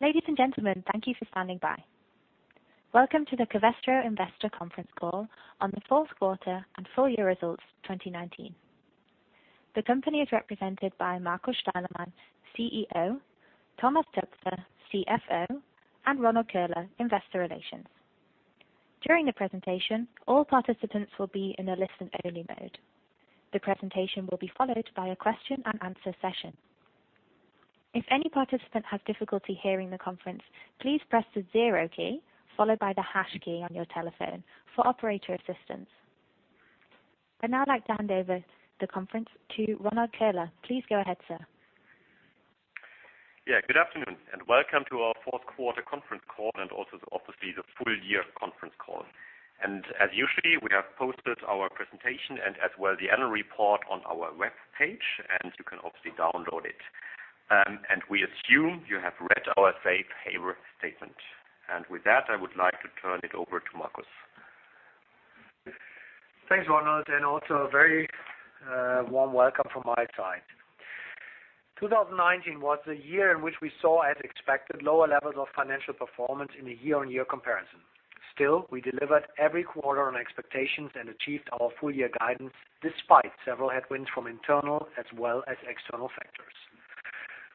Ladies and gentlemen, thank you for standing by. Welcome to the Covestro Investor Conference Call on the fourth quarter and full year results 2019. The company is represented by Markus Steilemann, CEO, Thomas Toepfer, CFO, and Ronald Köhler, Investor Relations. During the presentation, all participants will be in a listen-only mode. The presentation will be followed by a question and answer session. If any participant has difficulty hearing the conference, please press the zero key, followed by the hash key on your telephone for operator assistance. I'd now like to hand over the conference to Ronald Köhler. Please go ahead, sir. Yeah. Good afternoon, welcome to our fourth quarter conference call and also obviously the full year conference call. As usually, we have posted our presentation and as well the annual report on our webpage. You can obviously download it. We assume you have read our safe harbor statement. With that, I would like to turn it over to Markus. Thanks, Ronald, and also a very warm welcome from my side. 2019 was a year in which we saw, as expected, lower levels of financial performance in a year-on-year comparison. We delivered every quarter on expectations and achieved our full year guidance, despite several headwinds from internal as well as external factors.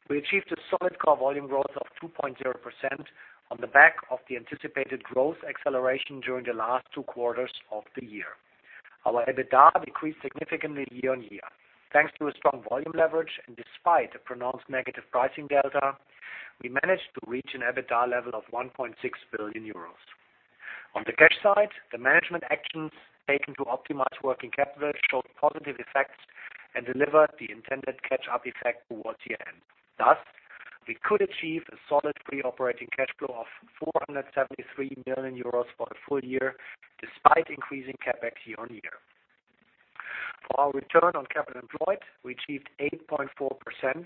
We achieved a solid core volume growth of 2.0% on the back of the anticipated growth acceleration during the last two quarters of the year. Our EBITDA decreased significantly year-on-year. Thanks to a strong volume leverage and despite a pronounced negative pricing delta, we managed to reach an EBITDA level of 1.6 billion euros. On the cash side, the management actions taken to optimize working capital showed positive effects and delivered the intended catch-up effect towards year-end. Thus, we could achieve a solid pre-operating cash flow of 473 million euros for the full year, despite increasing CapEx year-on-year. For our return on capital employed, we achieved 8.4%,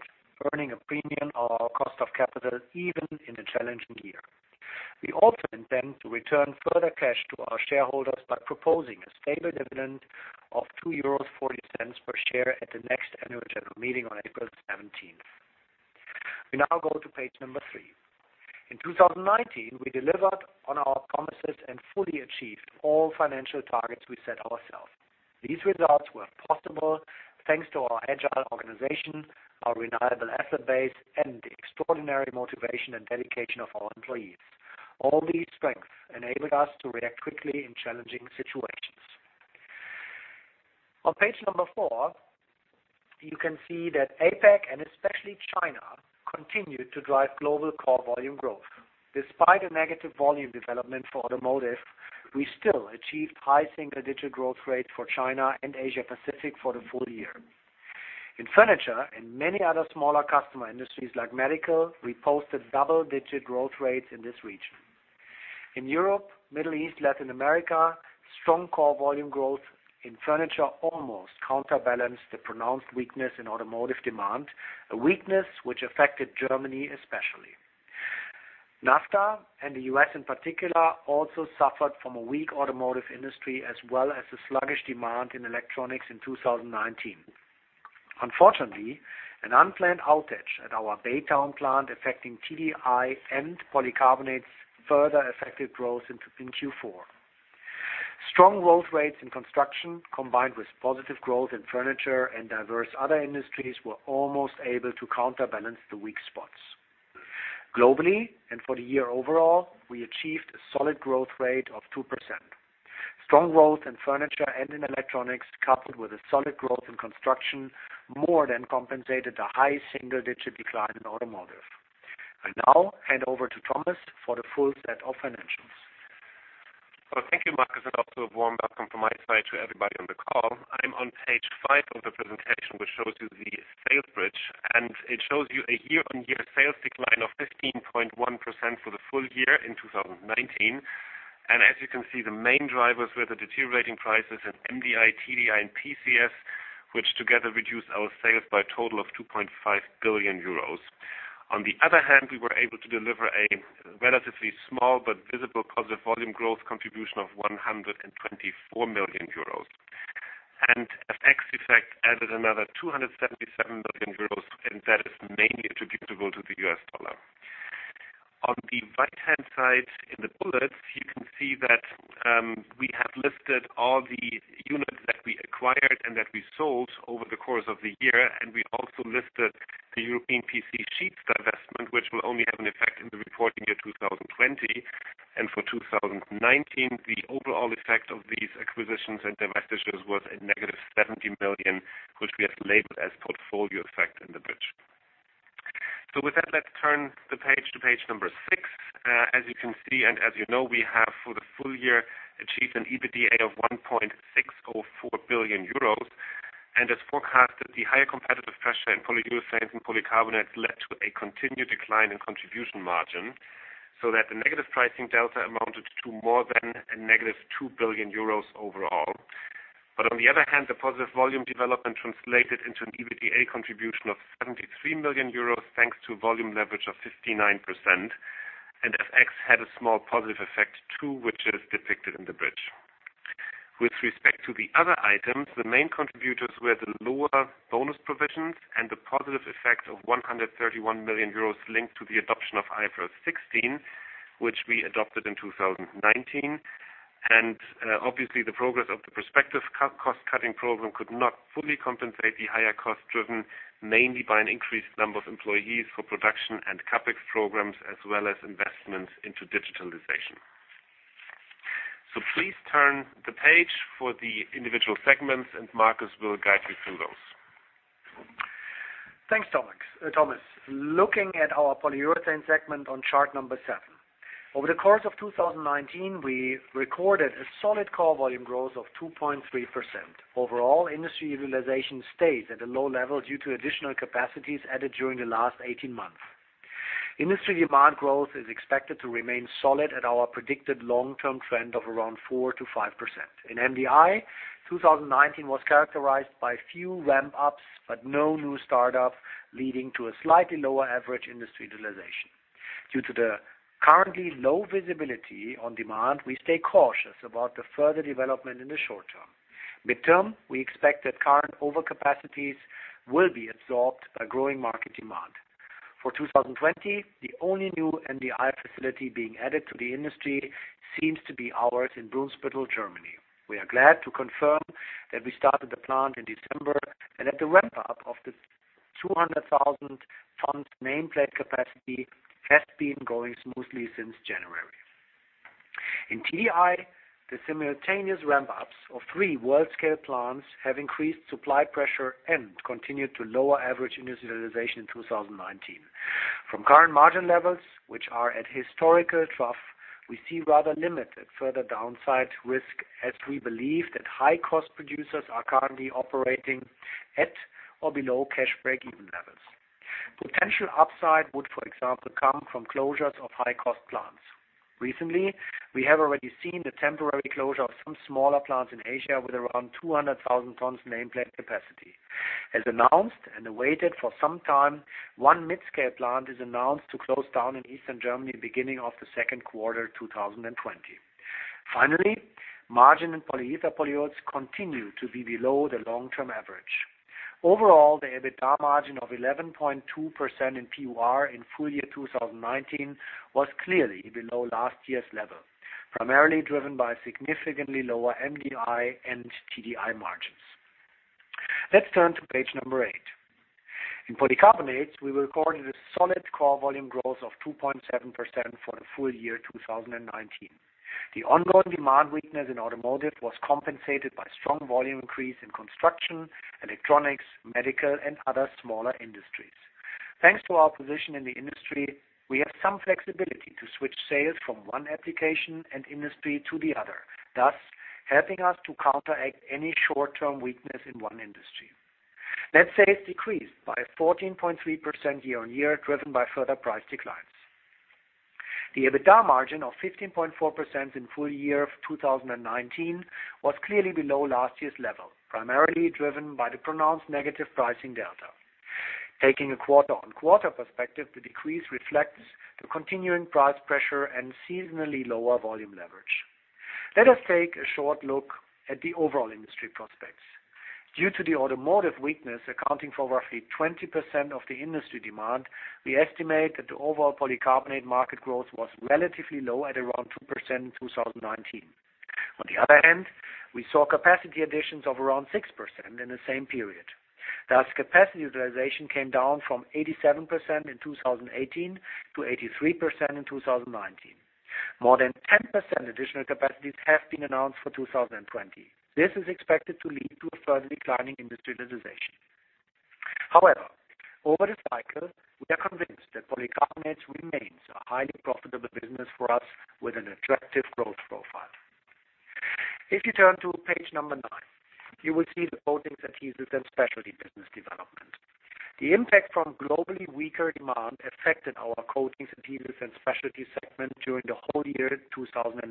earning a premium on our cost of capital even in a challenging year. We also intend to return further cash to our shareholders by proposing a stable dividend of 2.40 euros per share at the next annual general meeting on April 17th. We now go to page number three. In 2019, we delivered on our promises and fully achieved all financial targets we set ourselves. These results were possible thanks to our agile organization, our reliable asset base, and the extraordinary motivation and dedication of our employees. All these strengths enabled us to react quickly in challenging situations. On page number four, you can see that APAC, and especially China, continued to drive global core volume growth. Despite a negative volume development for automotive, we still achieved high single-digit growth rates for China and Asia Pacific for the full year. In furniture and many other smaller customer industries like medical, we posted double-digit growth rates in this region. In Europe, Middle East, Latin America, strong core volume growth in furniture almost counterbalanced the pronounced weakness in automotive demand, a weakness which affected Germany, especially. NAFTA and the U.S. in particular, also suffered from a weak automotive industry as well as a sluggish demand in electronics in 2019. Unfortunately, an unplanned outage at our Baytown plant affecting TDI and polycarbonates further affected growth in Q4. Strong growth rates in construction, combined with positive growth in furniture and diverse other industries, were almost able to counterbalance the weak spots. Globally, and for the year overall, we achieved a solid growth rate of 2%. Strong growth in furniture and in electronics, coupled with a solid growth in construction, more than compensated the high single-digit decline in automotive. I now hand over to Thomas for the full set of financials. Well, thank you, Markus, and also a warm welcome from my side to everybody on the call. I'm on page five of the presentation, which shows you the sales bridge. It shows you a year-on-year sales decline of 15.1% for the full year in 2019. As you can see, the main drivers were the deteriorating prices in MDI, TDI, and PCS, which together reduced our sales by a total of 2.5 billion euros. On the other hand, we were able to deliver a relatively small but visible positive volume growth contribution of 124 million euros. FX effect added another 277 million euros, and that is mainly attributable to the U.S. dollar. On the right-hand side in the bullets, you can see that we have listed all the units that we acquired and that we sold over the course of the year. We also listed the European PC Sheets divestment, which will only have an effect in the reporting year 2020. For 2019, the overall effect of these acquisitions and divestitures was a negative 70 million, which we have labeled as portfolio effect in the bridge. With that, let's turn the page to page number six. As you can see, and as you know, we have for the full year achieved an EBITDA of 1.604 billion euros and as forecasted, the higher competitive pressure in polyols and polycarbonates led to a continued decline in contribution margin, so that the negative pricing delta amounted to more than a -2 billion euros overall. On the other hand, the positive volume development translated into an EBITDA contribution of 73 million euros thanks to volume leverage of 59%. FX had a small positive effect, too, which is depicted in the bridge. With respect to the other items, the main contributors were the lower bonus provisions and the positive effect of 131 million euros linked to the adoption of IFRS 16, which we adopted in 2019. Obviously, the progress of the prospective cost-cutting program could not fully compensate the higher cost driven mainly by an increased number of employees for production and CapEx programs, as well as investments into digitalization. Please turn the page for the individual segments, and Markus will guide you through those. Thanks, Thomas. Looking at our polyurethane segment on chart number seven. Over the course of 2019, we recorded a solid core volume growth of 2.3%. Overall, industry utilization stays at a low level due to additional capacities added during the last 18 months. Industry demand growth is expected to remain solid at our predicted long-term trend of around 4%-5%. In MDI, 2019 was characterized by few ramp-ups, but no new start-ups, leading to a slightly lower average industry utilization. Due to the currently low visibility on demand, we stay cautious about the further development in the short term. Midterm, we expect that current overcapacities will be absorbed by growing market demand. For 2020, the only new MDI facility being added to the industry seems to be ours in Brunsbüttel, Germany. We are glad to confirm that we started the plant in December, and that the ramp-up of the 200,000 tons nameplate capacity has been going smoothly since January. In TDI, the simultaneous ramp-ups of three world-scale plants have increased supply pressure and continued to lower average industry utilization in 2019. From current margin levels, which are at historical trough, we see rather limited further downside risk as we believe that high-cost producers are currently operating at or below cash breakeven levels. Potential upside would, for example, come from closures of high-cost plants. Recently, we have already seen the temporary closure of some smaller plants in Asia with around 200,000 tons nameplate capacity. As announced and awaited for some time, one mid-scale plant is announced to close down in Eastern Germany beginning of the second quarter 2020. Finally, margin in polyether polyols continue to be below the long-term average. Overall, the EBITDA margin of 11.2% in PUR in full year 2019 was clearly below last year's level, primarily driven by significantly lower MDI and TDI margins. Let's turn to page number eight. In polycarbonates, we recorded a solid core volume growth of 2.7% for the full year 2019. The ongoing demand weakness in automotive was compensated by strong volume increase in construction, electronics, medical, and other smaller industries. Thanks to our position in the industry, we have some flexibility to switch sales from one application and industry to the other, thus helping us to counteract any short-term weakness in one industry. Net sales decreased by 14.3% year-on-year, driven by further price declines. The EBITDA margin of 15.4% in full year of 2019 was clearly below last year's level, primarily driven by the pronounced negative pricing delta. Taking a quarter-on-quarter Perspective, the decrease reflects the continuing price pressure and seasonally lower volume leverage. Let us take a short look at the overall industry prospects. Due to the automotive weakness accounting for roughly 20% of the industry demand, we estimate that the overall polycarbonate market growth was relatively low at around 2% in 2019. On the other hand, we saw capacity additions of around 6% in the same period. Thus, capacity utilization came down from 87% in 2018 to 83% in 2019. More than 10% additional capacities have been announced for 2020. This is expected to lead to a further decline in industry utilization. However, over the cycle, we are convinced that Polycarbonates remains a highly profitable business for us with an attractive growth profile. If you turn to page number nine, you will see the coatings and adhesives and specialty business development. The impact from globally weaker demand affected our coatings, adhesives, and specialty segment during the whole year 2019.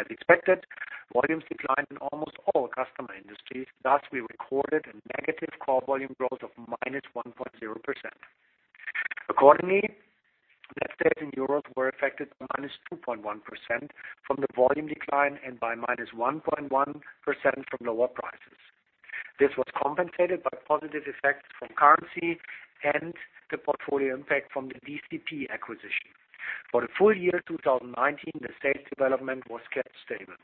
As expected, volumes declined in almost all customer industries. We recorded a negative core volume growth of -1.0%. Net sales in Europe were affected -2.1% from the volume decline and by -1.1% from lower prices. This was compensated by positive effects from currency and the portfolio impact from the DCP acquisition. For the full year 2019, the sales development was kept stable.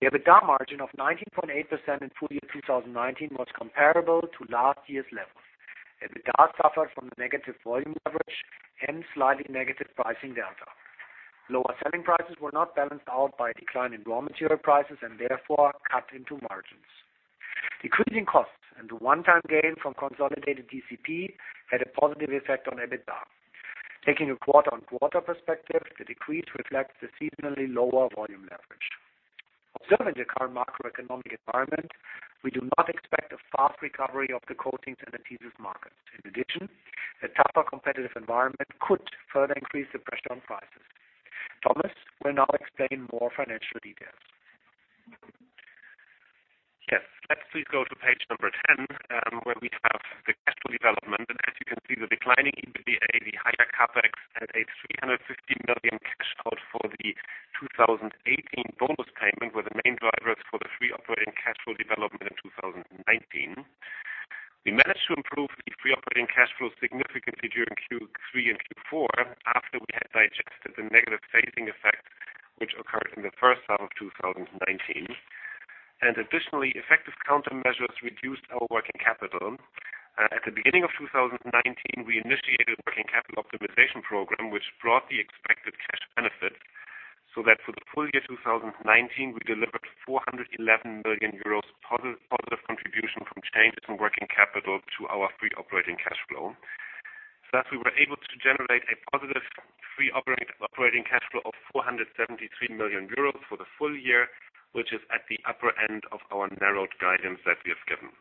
The EBITDA margin of 19.8% in full year 2019 was comparable to last year's level. EBITDA suffered from the negative volume leverage and slightly negative pricing delta. Lower selling prices were not balanced out by a decline in raw material prices and therefore cut into margins. Decreasing costs and the one-time gain from consolidated DCP had a positive effect on EBITDA. Taking a quarter-on-quarter perspective, the decrease reflects the seasonally lower volume leverage. Observing the current macroeconomic environment, we do not expect a fast recovery of the coatings and adhesives markets. In addition, a tougher competitive environment could further increase the pressure on prices. Thomas will now explain more financial details. Yes. Let's please go to page number 10, where we have the cash flow development. As you can see, the declining EBITDA, the higher CapEx, and a 350 million cash out for the 2018 bonus payment were the main drivers for the free operating cash flow development in 2019. We managed to improve the free operating cash flow significantly during Q3 and Q4, after we had digested the negative phasing effect, which occurred in the first half of 2019. Additionally, effective countermeasures reduced our working capital. At the beginning of 2019, we initiated a working capital optimization program, which brought the expected cash benefits, so that for the full year 2019, we delivered 411 million euros positive contribution from changes in working capital to our free operating cash flow. Thus, we were able to generate a positive free operating cash flow of 473 million euros for the full year, which is at the upper end of our narrowed guidance that we have given.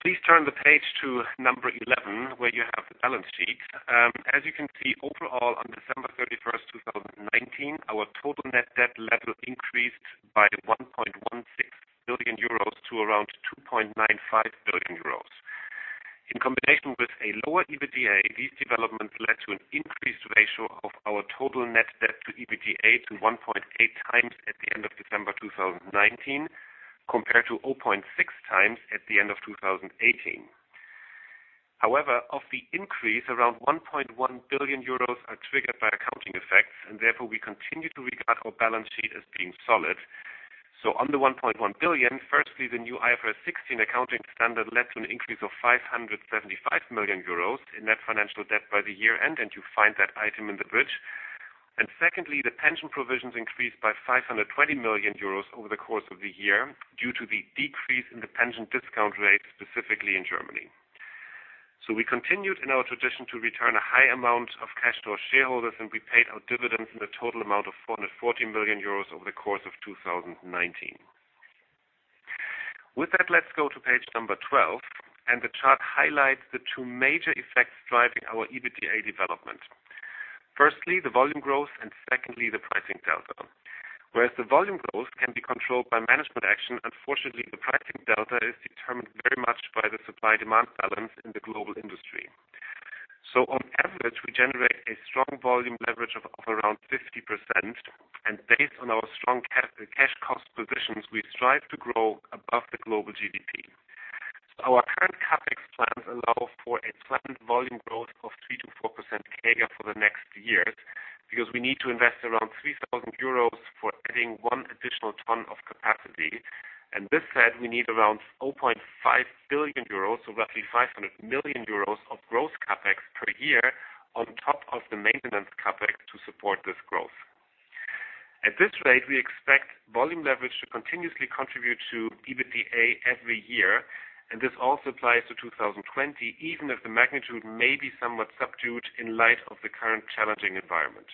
Please turn the page to number 11, where you have the balance sheet. As you can see, overall, on December 31st, 2019, our total net debt level increased by 1.16 billion euros to around 2.95 billion euros. In combination with a lower EBITDA, these developments led to an increased ratio of our total net debt to EBITDA to 1.8x at the end of December 2019, compared to 0.6x at the end of 2018. However, of the increase, around 1.1 billion euros are triggered by accounting effects, and therefore, we continue to regard our balance sheet as being solid. On the 1.1 billion, firstly, the new IFRS 16 accounting standard led to an increase of 575 million euros in net financial debt by the year-end, and you find that item in the bridge. Secondly, the pension provisions increased by 520 million euros over the course of the year due to the decrease in the pension discount rate, specifically in Germany. We continued in our tradition to return a high amount of cash to our shareholders, and we paid our dividends in the total amount of 440 million euros over the course of 2019. With that, let's go to page number 12, and the chart highlights the two major effects driving our EBITDA development. Firstly, the volume growth, and secondly, the pricing delta. Whereas the volume growth can be controlled by management action, unfortunately, the pricing delta is determined very much by the supply-demand balance in the global industry. On average, we generate a strong volume leverage of around 50%, and based on our strong cash cost positions, we strive to grow above the global GDP. Our current CapEx plans allow for a flattened volume growth of 3%-4% CAGR for the next years, because we need to invest around 3,000 euros for adding one additional ton of capacity. This said, we need around 0.5 billion euros, so roughly 500 million euros of growth CapEx per year on top of the maintenance CapEx to support this growth. At this rate, we expect volume leverage to continuously contribute to EBITDA every year. This also applies to 2020, even if the magnitude may be somewhat subdued in light of the current challenging environment.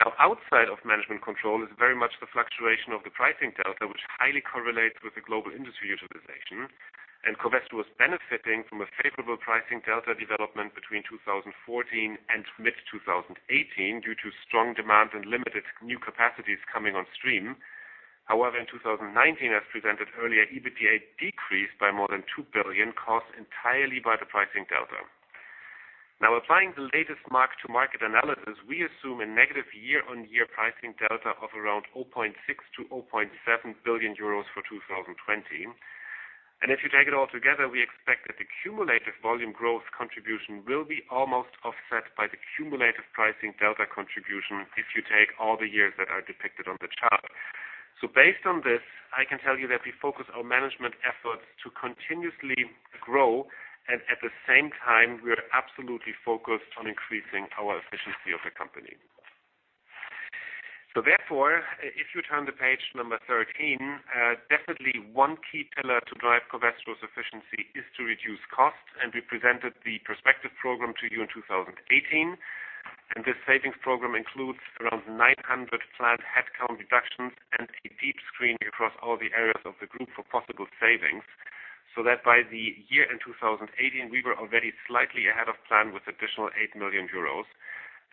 Now, outside of management control is very much the fluctuation of the pricing delta, which highly correlates with the global industry utilization. Covestro was benefiting from a favorable pricing delta development between 2014 and mid-2018 due to strong demand and limited new capacities coming on stream. However, in 2019, as presented earlier, EBITDA decreased by more than 2 billion, caused entirely by the pricing delta. Now, applying the latest mark-to-market analysis, we assume a negative year-on-year pricing delta of around 0.6 billion-0.7 billion euros for 2020. If you take it all together, we expect that the cumulative volume growth contribution will be almost offset by the cumulative pricing delta contribution if you take all the years that are depicted on the chart. Based on this, I can tell you that we focus our management efforts to continuously grow, and at the same time, we are absolutely focused on increasing our efficiency of the company. Therefore, if you turn to page number 13, definitely one key pillar to drive Covestro's efficiency is to reduce costs, and we presented the Perspective program to you in 2018. This savings program includes around 900 planned headcount reductions and a deep screen across all the areas of the group for possible savings. That by the year end 2018, we were already slightly ahead of plan with additional 8 million euros.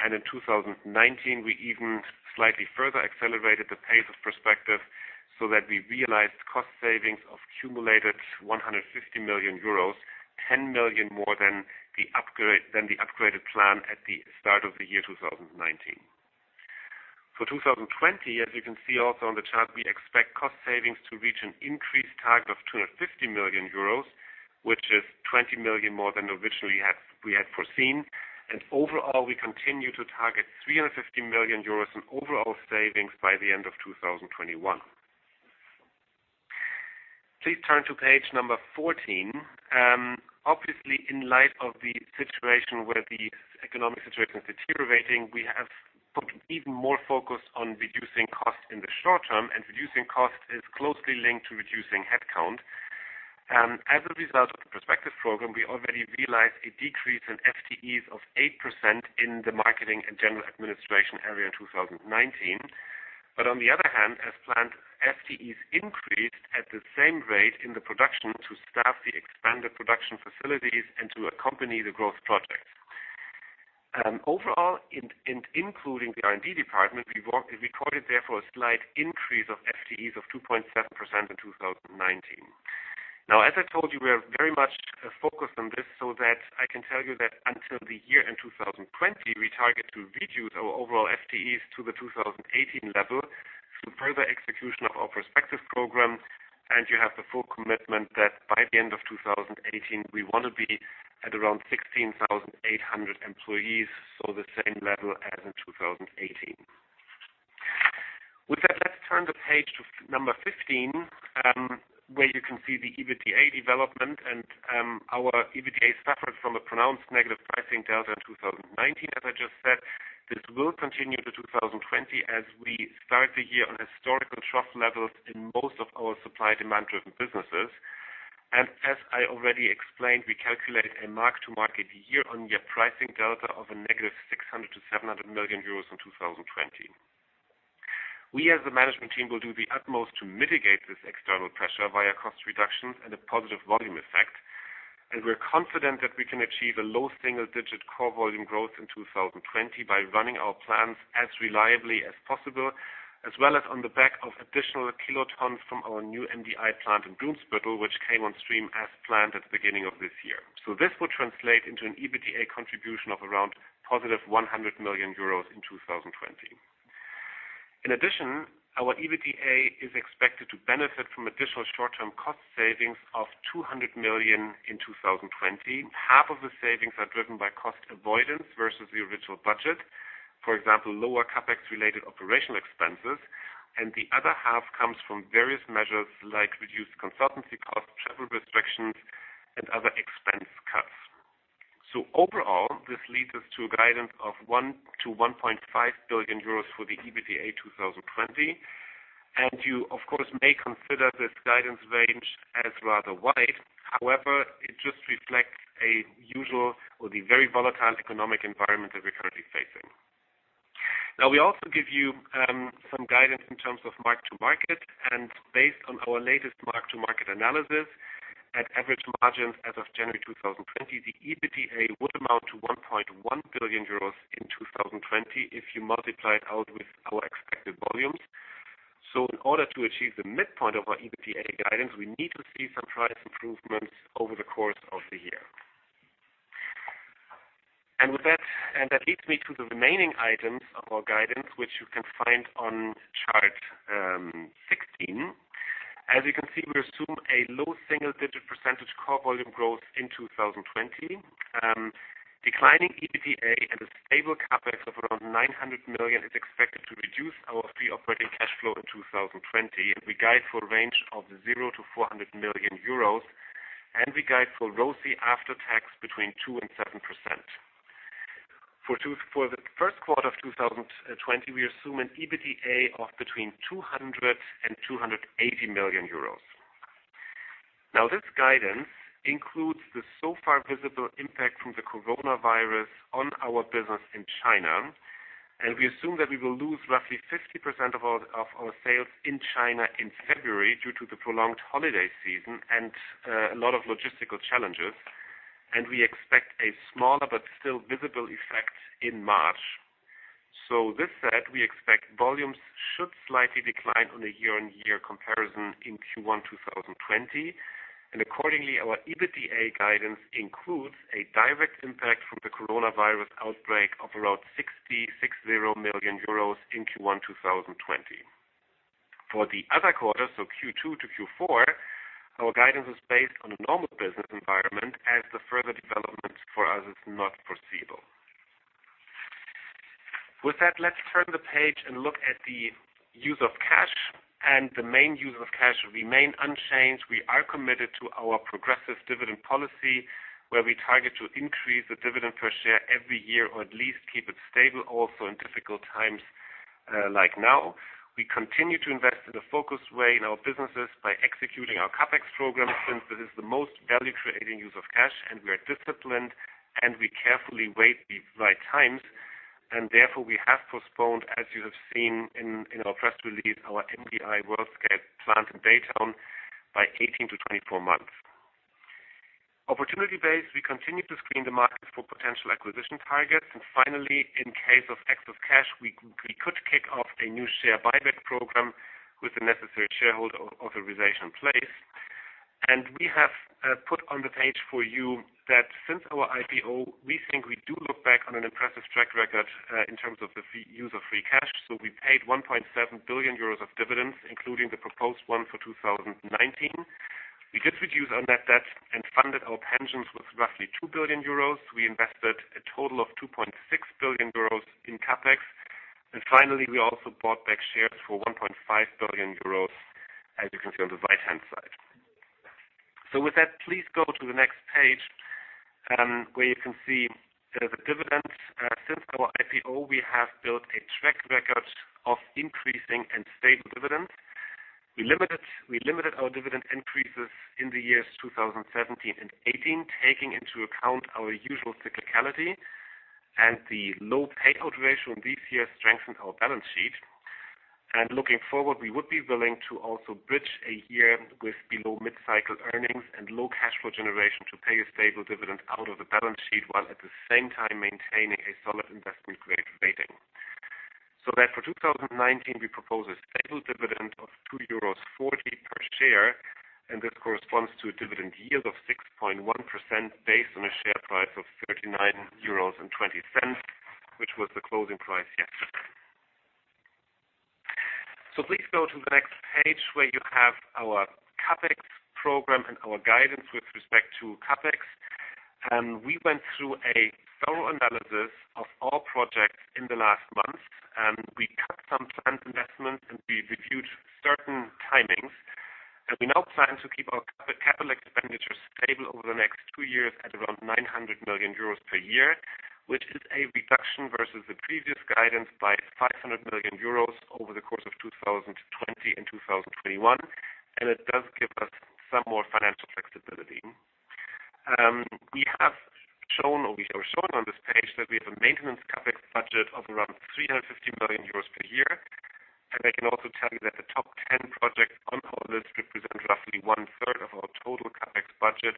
In 2019, we even slightly further accelerated the pace of Perspective so that we realized cost savings of cumulated 150 million euros, 10 million more than the upgraded plan at the start of the year 2019. For 2020, as you can see also on the chart, we expect cost savings to reach an increased target of 250 million euros, which is 20 million more than originally we had foreseen. Overall, we continue to target 350 million euros in overall savings by the end of 2021. Please turn to page number 14. Obviously, in light of the situation where the economic situation is deteriorating, we have put even more focus on reducing costs in the short term, and reducing costs is closely linked to reducing headcount. As a result of the Perspective program, we already realized a decrease in FTEs of 8% in the marketing and general administration area in 2019. On the other hand, as planned, FTEs increased at the same rate in the production to staff the expanded production facilities and to accompany the growth projects. Overall, including the R&D department, we recorded therefore a slight increase of FTEs of 2.7% in 2019. As I told you, we are very much focused on this so that I can tell you that until the year end 2020, we target to reduce our overall FTEs to the 2018 level through further execution of our Perspective program, and you have the full commitment that by the end of 2018, we want to be at around 16,800 employees, so the same level as in 2018. With that, let's turn the page to number 15, where you can see the EBITDA development. Our EBITDA suffered from a pronounced negative pricing delta in 2019, as I just said. This will continue to 2020 as we start the year on historical trough levels in most of our supply-demand driven businesses. As I already explained, we calculate a mark-to-market year-on-year pricing delta of a negative 600 million-700 million euros in 2020. We, as the management team, will do the utmost to mitigate this external pressure via cost reductions and a positive volume effect. We're confident that we can achieve a low single-digit core volume growth in 2020 by running our plants as reliably as possible, as well as on the back of additional kilotons from our new MDI plant in Brunsbüttel, which came on stream as planned at the beginning of this year. This will translate into an EBITDA contribution of around +100 million euros in 2020. In addition, our EBITDA is expected to benefit from additional short-term cost savings of 200 million in 2020. Half of the savings are driven by cost avoidance versus the original budget. For example, lower CapEx-related operational expenses, and the other half comes from various measures like reduced consultancy costs, travel restrictions, and other expense cuts. Overall, this leads us to a guidance of 1 billion-1.5 billion euros for the EBITDA 2020. You, of course, may consider this guidance range as rather wide. However, it just reflects a usual or the very volatile economic environment that we're currently facing. We also give you some guidance in terms of mark-to-market and based on our latest mark-to-market analysis, at average margins as of January 2020, the EBITDA would amount to 1.1 billion euros in 2020 if you multiply it out with our expected volumes. In order to achieve the midpoint of our EBITDA guidance, we need to see some price improvements over the course of the year. That leads me to the remaining items of our guidance, which you can find on chart 16. As you can see, we assume a low single-digit percentage core volume growth in 2020. Declining EBITDA and a stable CapEx of around 900 million is expected to reduce our free operating cash flow in 2020, and we guide for a range of 0 million-400 million euros, and we guide for ROCE after tax between 2% and 7%. For the first quarter of 2020, we assume an EBITDA of between 200 million euros and 280 million euros. This guidance includes the so far visible impact from the coronavirus on our business in China, and we assume that we will lose roughly 50% of our sales in China in February due to the prolonged holiday season and a lot of logistical challenges. We expect a smaller but still visible effect in March. With that said, we expect volumes should slightly decline on a year-on-year comparison in Q1 2020. Accordingly, our EBITDA guidance includes a direct impact from the coronavirus outbreak of around 60 million euros in Q1 2020. For the other quarters, Q2-Q4, our guidance is based on a normal business environment as the further development for us is not foreseeable. With that, let's turn the page and look at the use of cash and the main use of cash remain unchanged. We are committed to our progressive dividend policy where we target to increase the dividend per share every year or at least keep it stable also in difficult times like now. We continue to invest in a focused way in our businesses by executing our CapEx program since it is the most value-creating use of cash and we are disciplined and we carefully wait the right times and therefore we have postponed, as you have seen in our press release, our MDI world-scale plant in Baytown by 18-24 months. Opportunity base, we continue to screen the markets for potential acquisition targets and finally, in case of excess cash, we could kick off a new share buyback program with the necessary shareholder authorization in place. We have put on the page for you that since our IPO, we think we do look back on an impressive track record in terms of the use of free cash. We paid 1.7 billion euros of dividends, including the proposed one for 2019. We did reduce our net debt and funded our pensions with roughly 2 billion euros. We invested a total of 2.6 billion euros in CapEx. Finally, we also bought back shares for 1.5 billion euros, as you can see on the right-hand side. With that, please go to the next page, where you can see there is a dividend. Since our IPO, we have built a track record of increasing and stable dividends. We limited our dividend increases in the years 2017 and 2018, taking into account our usual cyclicality and the low payout ratio in these years strengthened our balance sheet. Looking forward, we would be willing to also bridge a year with below mid-cycle earnings and low cash flow generation to pay a stable dividend out of the balance sheet while at the same time maintaining a solid investment grade rating. For 2019, we propose a stable dividend of 2.40 euros per share. This corresponds to a dividend yield of 6.1% based on a share price of 39.20 euros, which was the closing price yesterday. Please go to the next page where you have our CapEx program and our guidance with respect to CapEx. We went through a thorough analysis of all projects in the last month, and we cut some planned investments, and we reviewed certain timings. We now plan to keep our capital expenditures stable over the next two years at around 900 million euros per year, which is a reduction versus the previous guidance by 500 million euros over the course of 2020 and 2021, it does give us some more financial flexibility. We have shown on this page that we have a maintenance CapEx budget of around 350 million euros per year. I can also tell you that the top 10 projects on our list represent roughly 1/3 of our total CapEx budget,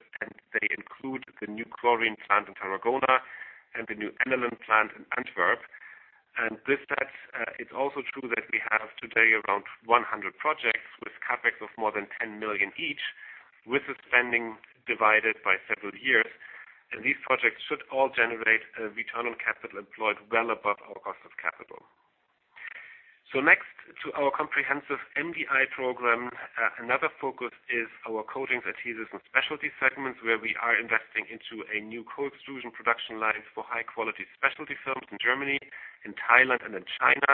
they include the new chlorine plant in Tarragona and the new Aniline plant in Antwerp. It's also true that we have today around 100 projects with CapEx of more than 10 million each, with the spending divided by several years, and these projects should all generate a return on capital employed well above our cost of capital. Next to our comprehensive MDI program, another focus is our coatings, adhesives, and specialty segments, where we are investing into a new co-extrusion production line for high-quality specialty films in Germany, in Thailand, and in China.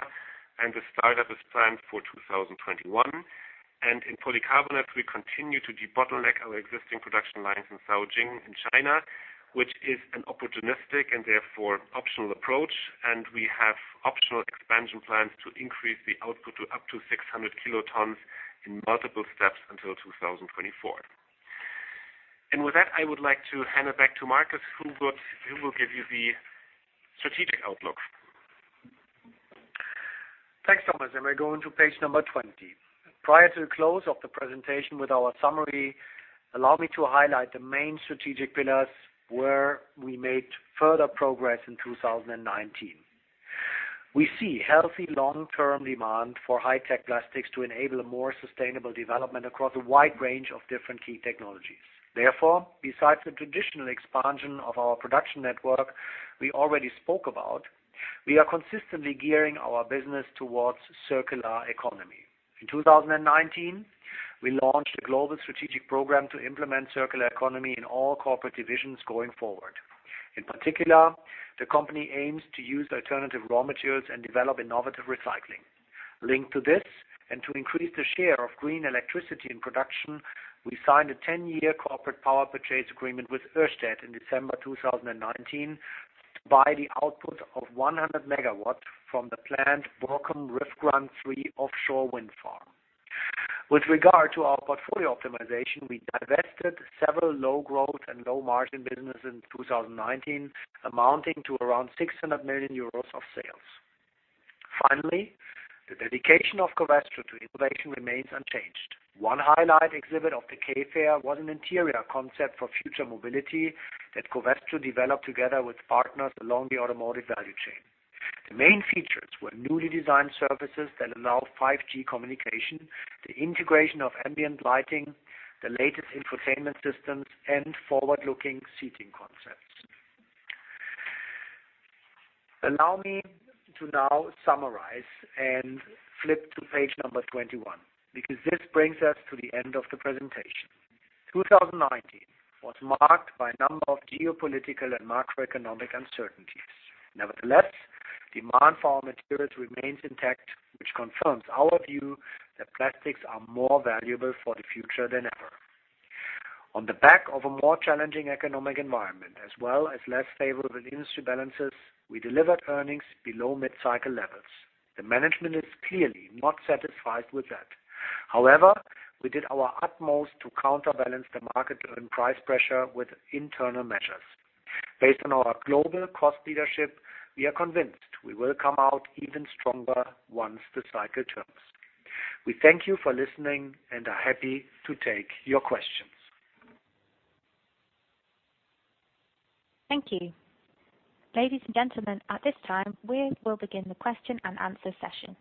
The startup is planned for 2021. In polycarbonates, we continue to debottleneck our existing production lines in Caojing in China, which is an opportunistic and therefore optional approach. We have optional expansion plans to increase the output to up to 600 kilotons in multiple steps until 2024. With that, I would like to hand it back to Markus, who will give you the strategic outlook. Thanks, Thomas. We're going to page number 20. Prior to the close of the presentation with our summary, allow me to highlight the main strategic pillars where we made further progress in 2019. We see healthy long-term demand for high-tech plastics to enable a more sustainable development across a wide range of different key technologies. Therefore, besides the traditional expansion of our production network we already spoke about, we are consistently gearing our business towards circular economy. In 2019, we launched a global strategic program to implement circular economy in all corporate divisions going forward. In particular, the company aims to use alternative raw materials and develop innovative recycling. Linked to this, and to increase the share of green electricity in production, we signed a 10-year corporate power purchase agreement with Ørsted in December 2019 to buy the output of 100 MW from the plant Borkum Riffgrund 3 offshore wind farm. With regard to our portfolio optimization, we divested several low-growth and low-margin businesses in 2019, amounting to around 600 million euros of sales. The dedication of Covestro to innovation remains unchanged. One highlight exhibit of the K Fair was an interior concept for future mobility that Covestro developed together with partners along the automotive value chain. The main features were newly designed surfaces that allow 5G communication, the integration of ambient lighting, the latest infotainment systems, and forward-looking seating concepts. Allow me to now summarize and flip to page number 21, because this brings us to the end of the presentation. 2019 was marked by a number of geopolitical and macroeconomic uncertainties. Nevertheless, demand for our materials remains intact, which confirms our view that plastics are more valuable for the future than ever. On the back of a more challenging economic environment as well as less favorable industry balances, we delivered earnings below mid-cycle levels. The management is clearly not satisfied with that. However, we did our utmost to counterbalance the market and price pressure with internal measures. Based on our global cost leadership, we are convinced we will come out even stronger once the cycle turns. We thank you for listening and are happy to take your questions. Thank you. Ladies and gentlemen, at this time, we will begin the question and answer session.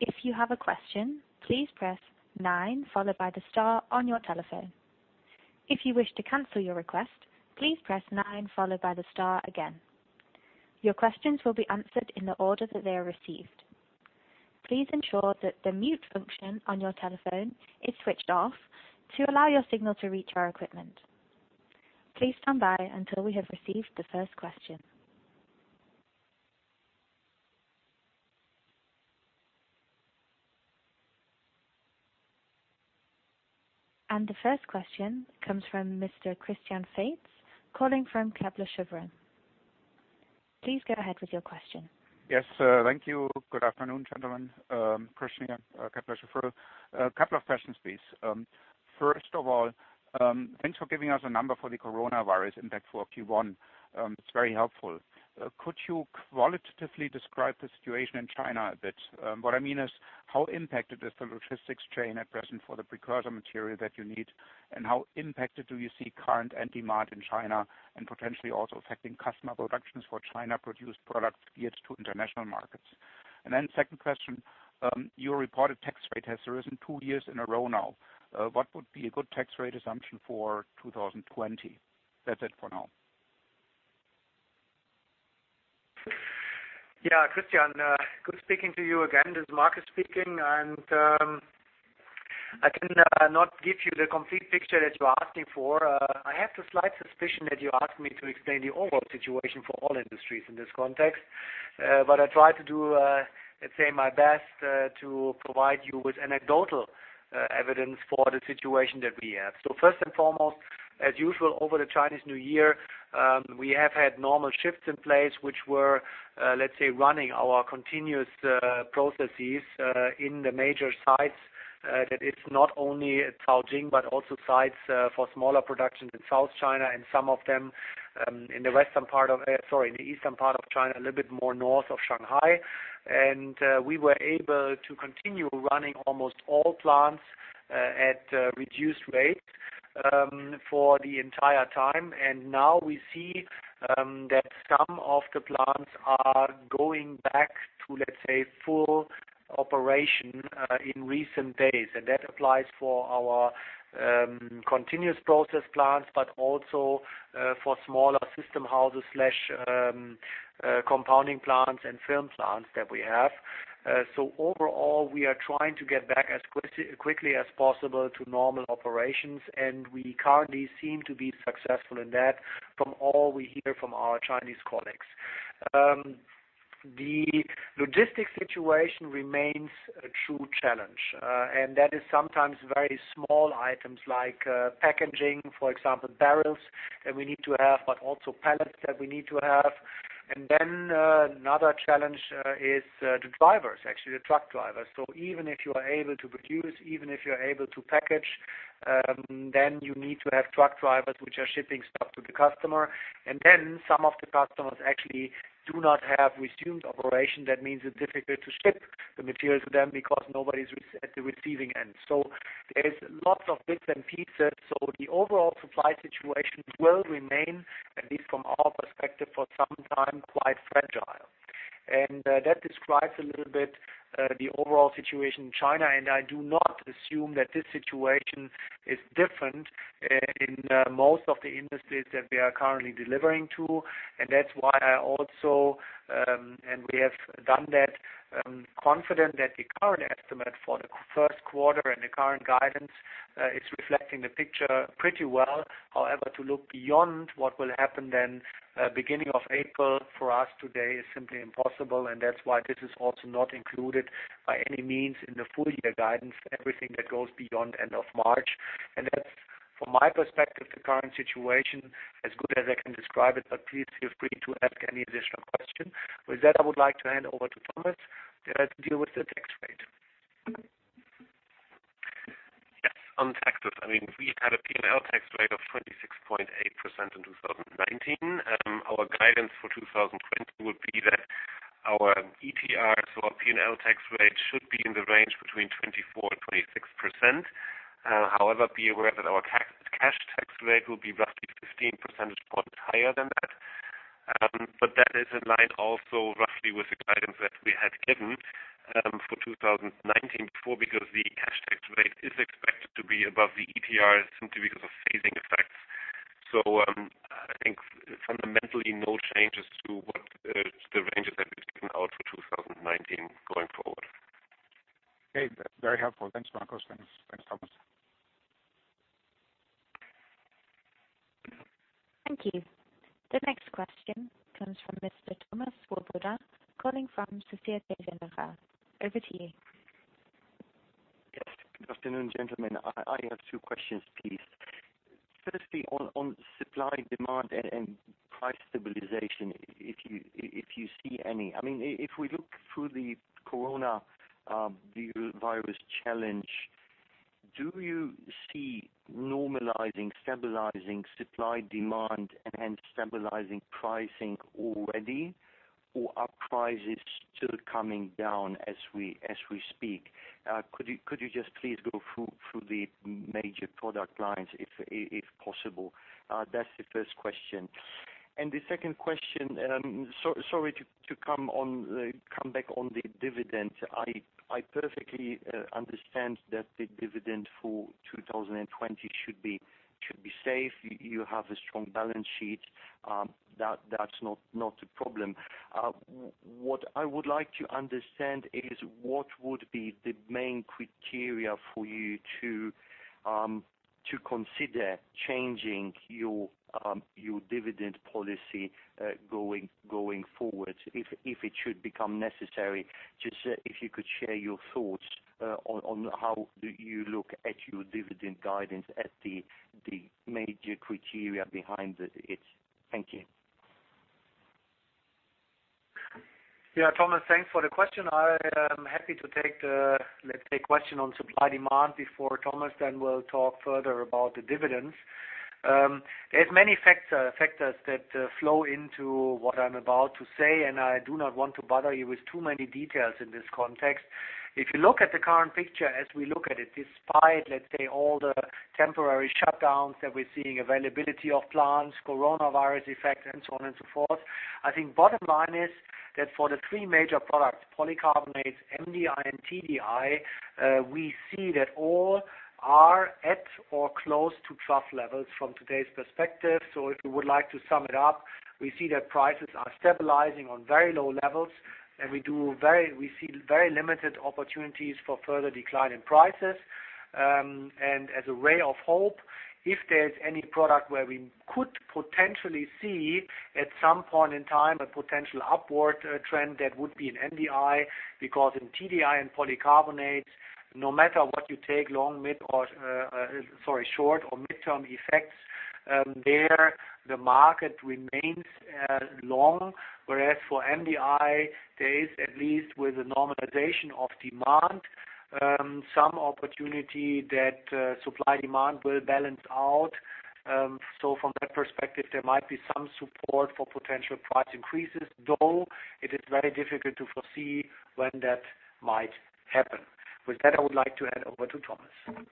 If you have a question, please press nine followed by the star on your telephone. If you wish to cancel your request, please press nine followed by the star again. Your questions will be answered in the order that they are received. Please ensure that the mute function on your telephone is switched off to allow your signal to reach our equipment. Please stand by until we have received the first question. The first question comes from Mr. Christian Faitz, calling from Kepler Cheuvreux. Please go ahead with your question. Yes, thank you. Good afternoon, gentlemen. Christian, Kepler Cheuvreux. A couple of questions, please. First of all, thanks for giving us a number for the coronavirus impact for Q1. It's very helpful. Could you qualitatively describe the situation in China a bit? What I mean is, how impacted is the logistics chain at present for the precursor material that you need, and how impacted do you see current end demand in China and potentially also affecting customer productions for China-produced product gets to international markets? Second question, your reported tax rate has risen two years in a row now. What would be a good tax rate assumption for 2020? That's it for now. Yeah, Christian, good speaking to you again. This is Markus speaking. I cannot give you the complete picture that you are asking for. I have the slight suspicion that you asked me to explain the overall situation for all industries in this context. I try to do, let's say, my best to provide you with anecdotal evidence for the situation that we have. First and foremost, as usual, over the Chinese New Year, we have had normal shifts in place, which were, let's say, running our continuous processes in the major sites. That it's not only at Caojing, but also sites for smaller productions in South China and some of them in the eastern part of China, a little bit more north of Shanghai. We were able to continue running almost all plants at reduced rates for the entire time. Now we see that some of the plants are going back to, let's say, full operation in recent days. That applies for our continuous process plants, but also for smaller system houses/compounding plants and film plants that we have. Overall, we are trying to get back as quickly as possible to normal operations, and we currently seem to be successful in that from all we hear from our Chinese colleagues. The logistics situation remains a true challenge. That is sometimes very small items like packaging, for example, barrels that we need to have, but also pallets that we need to have. Another challenge is the drivers, actually, the truck drivers. Even if you are able to produce, even if you're able to package, then you need to have truck drivers which are shipping stuff to the customer. Then some of the customers actually do not have resumed operation. That means it's difficult to ship the materials to them because nobody's at the receiving end. There is lots of bits and pieces. The overall supply situation will remain, at least from our perspective, for some time, quite fragile. That describes a little bit the overall situation in China, and I do not assume that this situation is different in most of the industries that we are currently delivering to. That's why I also, and we have done that confident that the current estimate for the first quarter and the current guidance is reflecting the picture pretty well. To look beyond what will happen then, beginning of April for us today is simply impossible, and that's why this is also not included by any means in the full-year guidance, everything that goes beyond end of March. That's, from my perspective, the current situation as good as I can describe it, but please feel free to ask any additional question. With that, I would like to hand over to Thomas to deal with the tax rate. Yes. On taxes, we had a P&L tax rate of 26.8% in 2019. Our guidance for 2020 would be that our ETR, so our P&L tax rate, should be in the range between 24% and 26%. Be aware that our cash tax rate will be roughly 15 percentage points higher than that. That is in line also roughly with the guidance that we had given for 2019 before, because the cash tax rate is expected to be above the ETR simply because of phasing effects. I think fundamentally, no changes to what the ranges that we've given out for 2019 going forward. Okay. Very helpful. Thanks, Markus. Thanks, Thomas. Thank you. The next question comes from Mr. Thomas Swoboda calling from Société Générale. Over to you. Yes. Good afternoon, gentlemen. I have two questions, please. Firstly, on supply, demand, and price stabilization, if you see any. If we look through the coronavirus challenge, do you see normalizing, stabilizing supply, demand, and stabilizing pricing already, or are prices still coming down as we speak? Could you just please go through the major product lines, if possible? That's the first question. The second question, sorry to come back on the dividend. I perfectly understand that the dividend for 2020 should be safe. You have a strong balance sheet. That's not a problem. What I would like to understand is what would be the main criteria for you to consider changing your dividend policy going forward, if it should become necessary. Just if you could share your thoughts on how do you look at your dividend guidance as the major criteria behind it. Thank you. Yeah, Thomas, thanks for the question. I am happy to take the, let's say, question on supply demand before Thomas then will talk further about the dividends. There is many factors that flow into what I am about to say, and I do not want to bother you with too many details in this context. If you look at the current picture as we look at it, despite, let's say, all the temporary shutdowns that we are seeing, availability of plants, coronavirus effects, and so on and so forth, I think bottom line is that for the three major products, polycarbonates, MDI, and TDI, we see that all are at or close to trough levels from today's perspective. If we would like to sum it up, we see that prices are stabilizing on very low levels, and we see very limited opportunities for further decline in prices. As a ray of hope, if there's any product where we could potentially see at some point in time a potential upward trend, that would be in MDI. In TDI and polycarbonate, no matter what you take short or mid-term effects, there the market remains long. Whereas for MDI, there is at least with a normalization of demand, some opportunity that supply-demand will balance out. From that perspective, there might be some support for potential price increases, though it is very difficult to foresee when that might happen. With that, I would like to hand over to Thomas.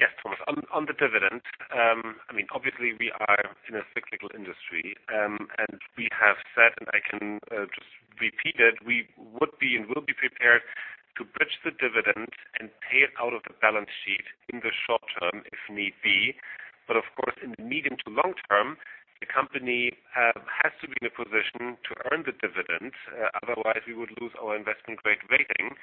Yes, Thomas. On the dividend. Obviously, we are in a cyclical industry. We have said, and I can just repeat it, we would be and will be prepared to bridge the dividend and pay it out of the balance sheet in the short term if need be. Of course, in the medium to long term, the company has to be in a position to earn the dividend, otherwise we would lose our investment-grade rating.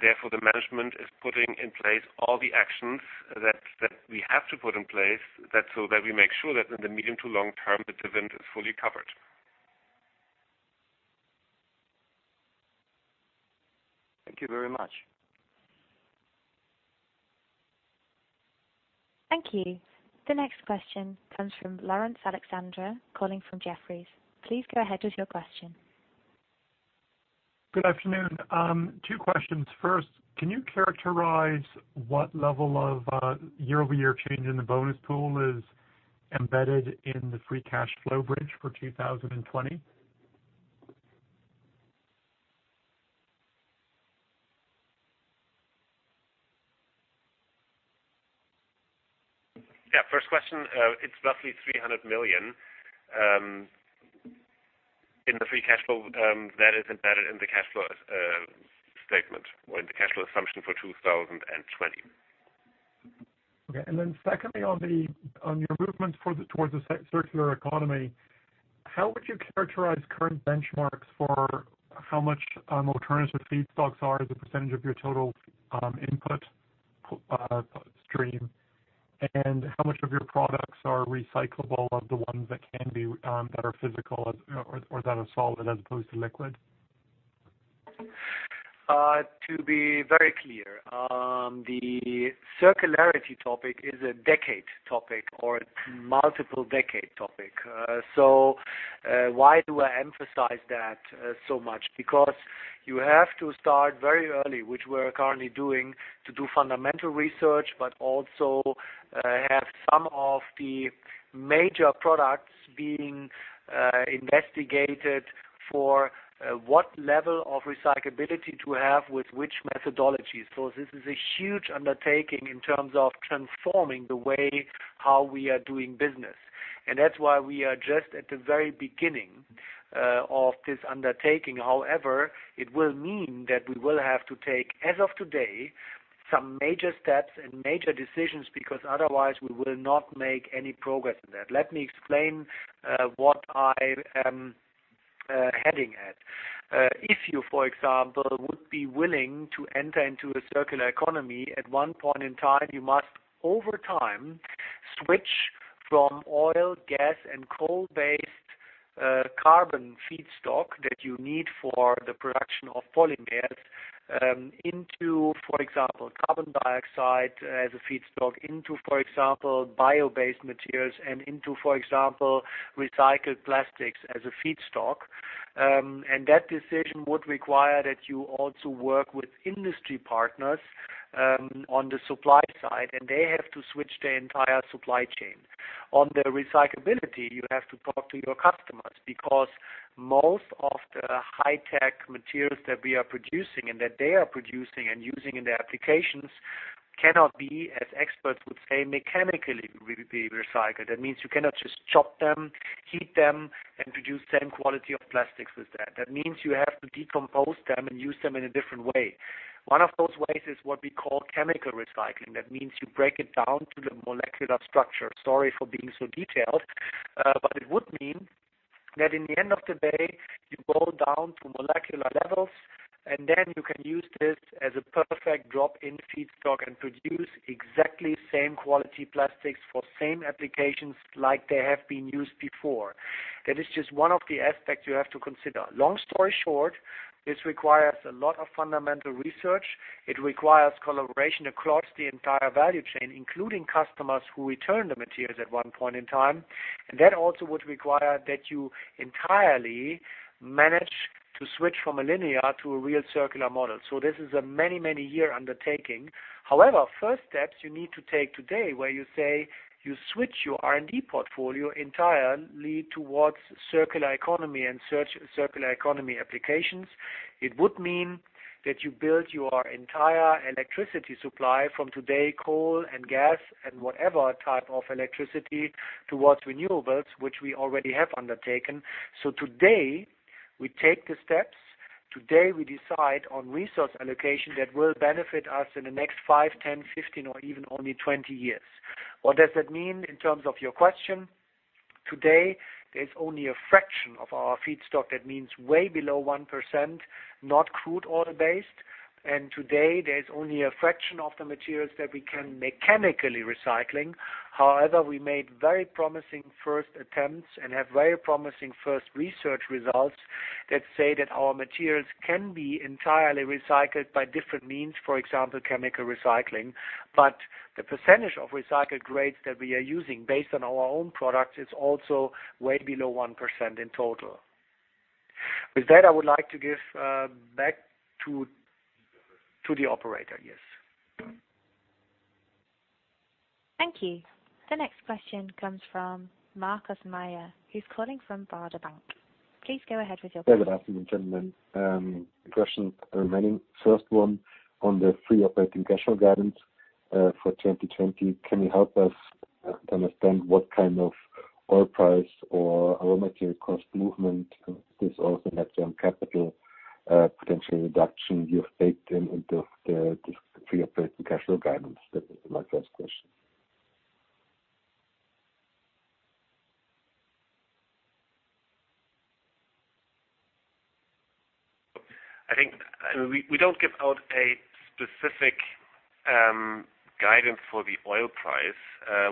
Therefore, the management is putting in place all the actions that we have to put in place so that we make sure that in the medium to long term, the dividend is fully covered. Thank you very much. Thank you. The next question comes from Laurence Alexander, calling from Jefferies. Please go ahead with your question. Good afternoon. Two questions. First, can you characterize what level of year-over-year change in the bonus pool is embedded in the free cash flow bridge for 2020? Yeah. First question, it's roughly 300 million in the free cash flow. That is embedded in the cash flow statement or in the cash flow assumption for 2020. Okay. Secondly, on your movement towards the circular economy, how would you characterize current benchmarks for how much alternative feedstocks are as a percentage of your total input stream? How much of your products are recyclable of the ones that can be, that are physical or that are solid as opposed to liquid? To be very clear, the circularity topic is a decade topic or multiple-decade topic. Why do I emphasize that so much? You have to start very early, which we're currently doing to do fundamental research, but also have some of the major products being investigated for what level of recyclability to have with which methodology. This is a huge undertaking in terms of transforming the way how we are doing business. That's why we are just at the very beginning of this undertaking. However, it will mean that we will have to take, as of today, some major steps and major decisions because otherwise we will not make any progress in that. Let me explain what I am heading at. If you, for example, would be willing to enter into a circular economy at one point in time, you must over time switch from oil, gas, and coal-based carbon feedstock that you need for the production of polymers into, for example, carbon dioxide as a feedstock into, for example, bio-based materials and into, for example, recycled plastics as a feedstock. That decision would require that you also work with industry partners on the supply side, and they have to switch their entire supply chain. On the recyclability, you have to talk to your customers because most of the high-tech materials that we are producing and that they are producing and using in their applications cannot be, as experts would say, mechanically be recycled. That means you cannot just chop them, heat them, and produce same quality of plastics with that. That means you have to decompose them and use them in a different way. One of those ways is what we call chemical recycling. That means you break it down to the molecular structure. Sorry for being so detailed. It would mean that in the end of the day, you go down to molecular levels, and then you can use this as a perfect drop-in feedstock and produce exactly same quality plastics for same applications like they have been used before. That is just one of the aspects you have to consider. Long story short, this requires a lot of fundamental research. It requires collaboration across the entire value chain, including customers who return the materials at one point in time. That also would require that you entirely manage to switch from a linear to a real circular model. This is a many-year undertaking. However, first steps you need to take today, where you say you switch your R&D portfolio entirely towards circular economy and circular economy applications. It would mean that you build your entire electricity supply from today, coal and gas and whatever type of electricity towards renewables, which we already have undertaken. Today, we take the steps. Today, we decide on resource allocation that will benefit us in the next five, 10, 15, or even only 20 years. What does that mean in terms of your question? Today, there's only a fraction of our feedstock that means way below 1%, not crude oil-based. Today, there's only a fraction of the materials that we can mechanically recycling. However, we made very promising first attempts and have very promising first research results that say that our materials can be entirely recycled by different means, for example, chemical recycling. The percentage of recycled grades that we are using based on our own products is also way below 1% in total. With that, I would like to give back to the operator. Yes. Thank you. The next question comes from Markus Mayer, who's calling from Baader Bank. Please go ahead with your question. Good afternoon, gentlemen. A question remaining. First one on the free operating cash flow guidance for 2020. Can you help us to understand what kind of oil price or raw material cost movement this also net working capital potential reduction you have baked into the free operating cash flow guidance? That is my first question. I think we don't give out a specific guidance for the oil price.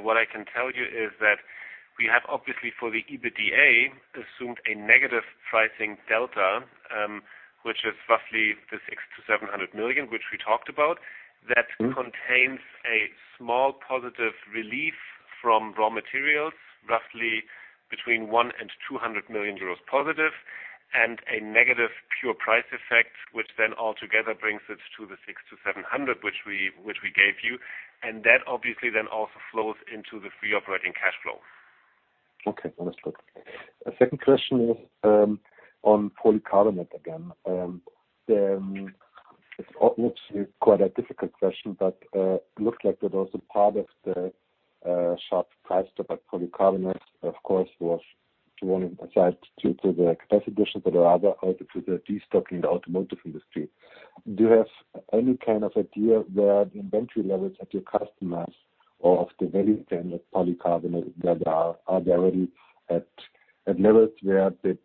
What I can tell you is that we have obviously for the EBITDA assumed a negative pricing delta, which is roughly the 600 million-700 million, which we talked about, that contains a small positive relief from raw materials, roughly between 100 million and 200 million euros+, and a negative pure price effect, which then altogether brings it to the 600 million-700 million, which we gave you. That obviously then also flows into the free operating cash flow. Okay. Well, that's good. A second question is on polycarbonate again. It's obviously quite a difficult question, looks like that also part of the sharp price drop at polycarbonate, of course, was to one side due to the capacity additions that are either due to the destocking in the automotive industry. Do you have any kind of idea where the inventory levels at your customers or of the value chain of polycarbonate that are already at levels where the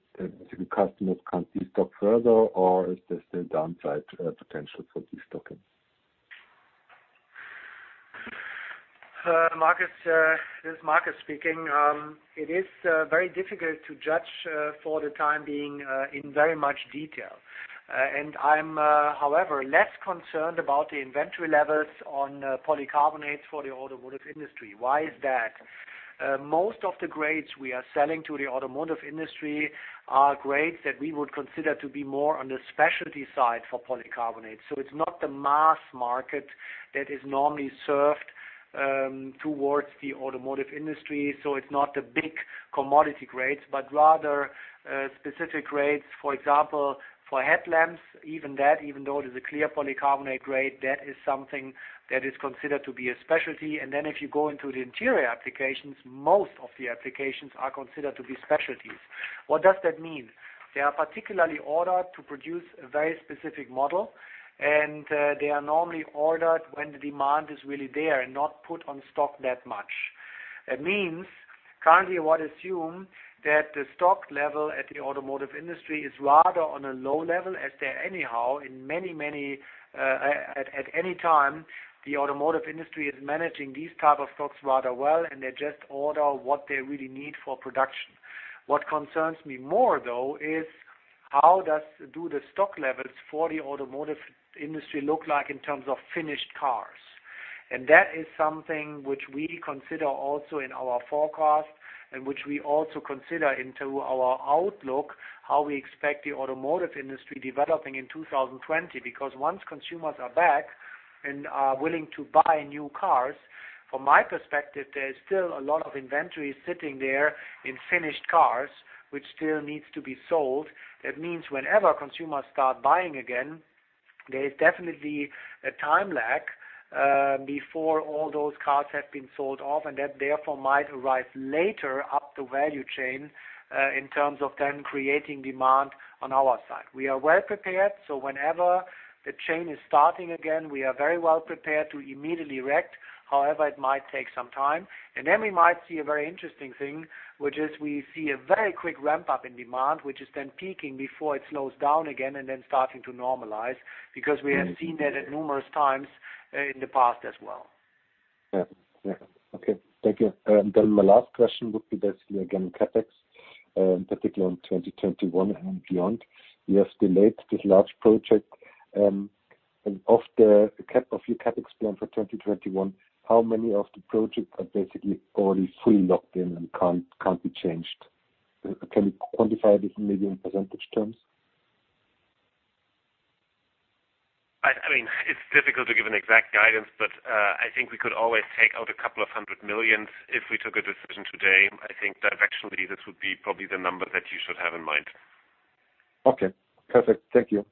customers can't destock further, or is there still downside potential for destocking? Markus, this is Markus speaking. It is very difficult to judge for the time being in very much detail. I'm, however, less concerned about the inventory levels on polycarbonates for the automotive industry. Why is that? Most of the grades we are selling to the automotive industry are grades that we would consider to be more on the specialty side for polycarbonate. It's not the mass market that is normally served towards the automotive industry. It's not the big commodity grades, but rather specific grades. For example, for headlamps, even that, even though it is a clear polycarbonate grade, that is something that is considered to be a specialty. Then if you go into the interior applications, most of the applications are considered to be specialties. What does that mean? They are particularly ordered to produce a very specific model, and they are normally ordered when the demand is really there and not put on stock that much. That means currently we assume that the stock level at the automotive industry is rather on a low level as they anyhow. At any time, the automotive industry is managing these type of stocks rather well, and they just order what they really need for production. What concerns me more though is how do the stock levels for the automotive industry look like in terms of finished cars. That is something which we consider also in our forecast and which we also consider into our outlook, how we expect the automotive industry developing in 2020. Once consumers are back and are willing to buy new cars, from my perspective, there is still a lot of inventory sitting there in finished cars, which still needs to be sold. That means whenever consumers start buying again, there is definitely a time lag, before all those cars have been sold off, and that therefore might arrive later up the value chain, in terms of then creating demand on our side. We are well prepared, so whenever the chain is starting again, we are very well prepared to immediately react. However, it might take some time. Then we might see a very interesting thing, which is we see a very quick ramp-up in demand, which is then peaking before it slows down again and then starting to normalize, because we have seen that numerous times in the past as well. Yeah. Okay. Thank you. My last question would be basically again, CapEx in particular in 2021 and beyond. You have delayed this large project. Of your CapEx plan for 2021, how many of the projects are basically already fully locked in and can't be changed? Can you quantify this maybe in percentage terms? It's difficult to give an exact guidance, but I think we could always take out a couple of hundred million if we took a decision today. I think directionally, this would be probably the number that you should have in mind. Okay, perfect. Thank you.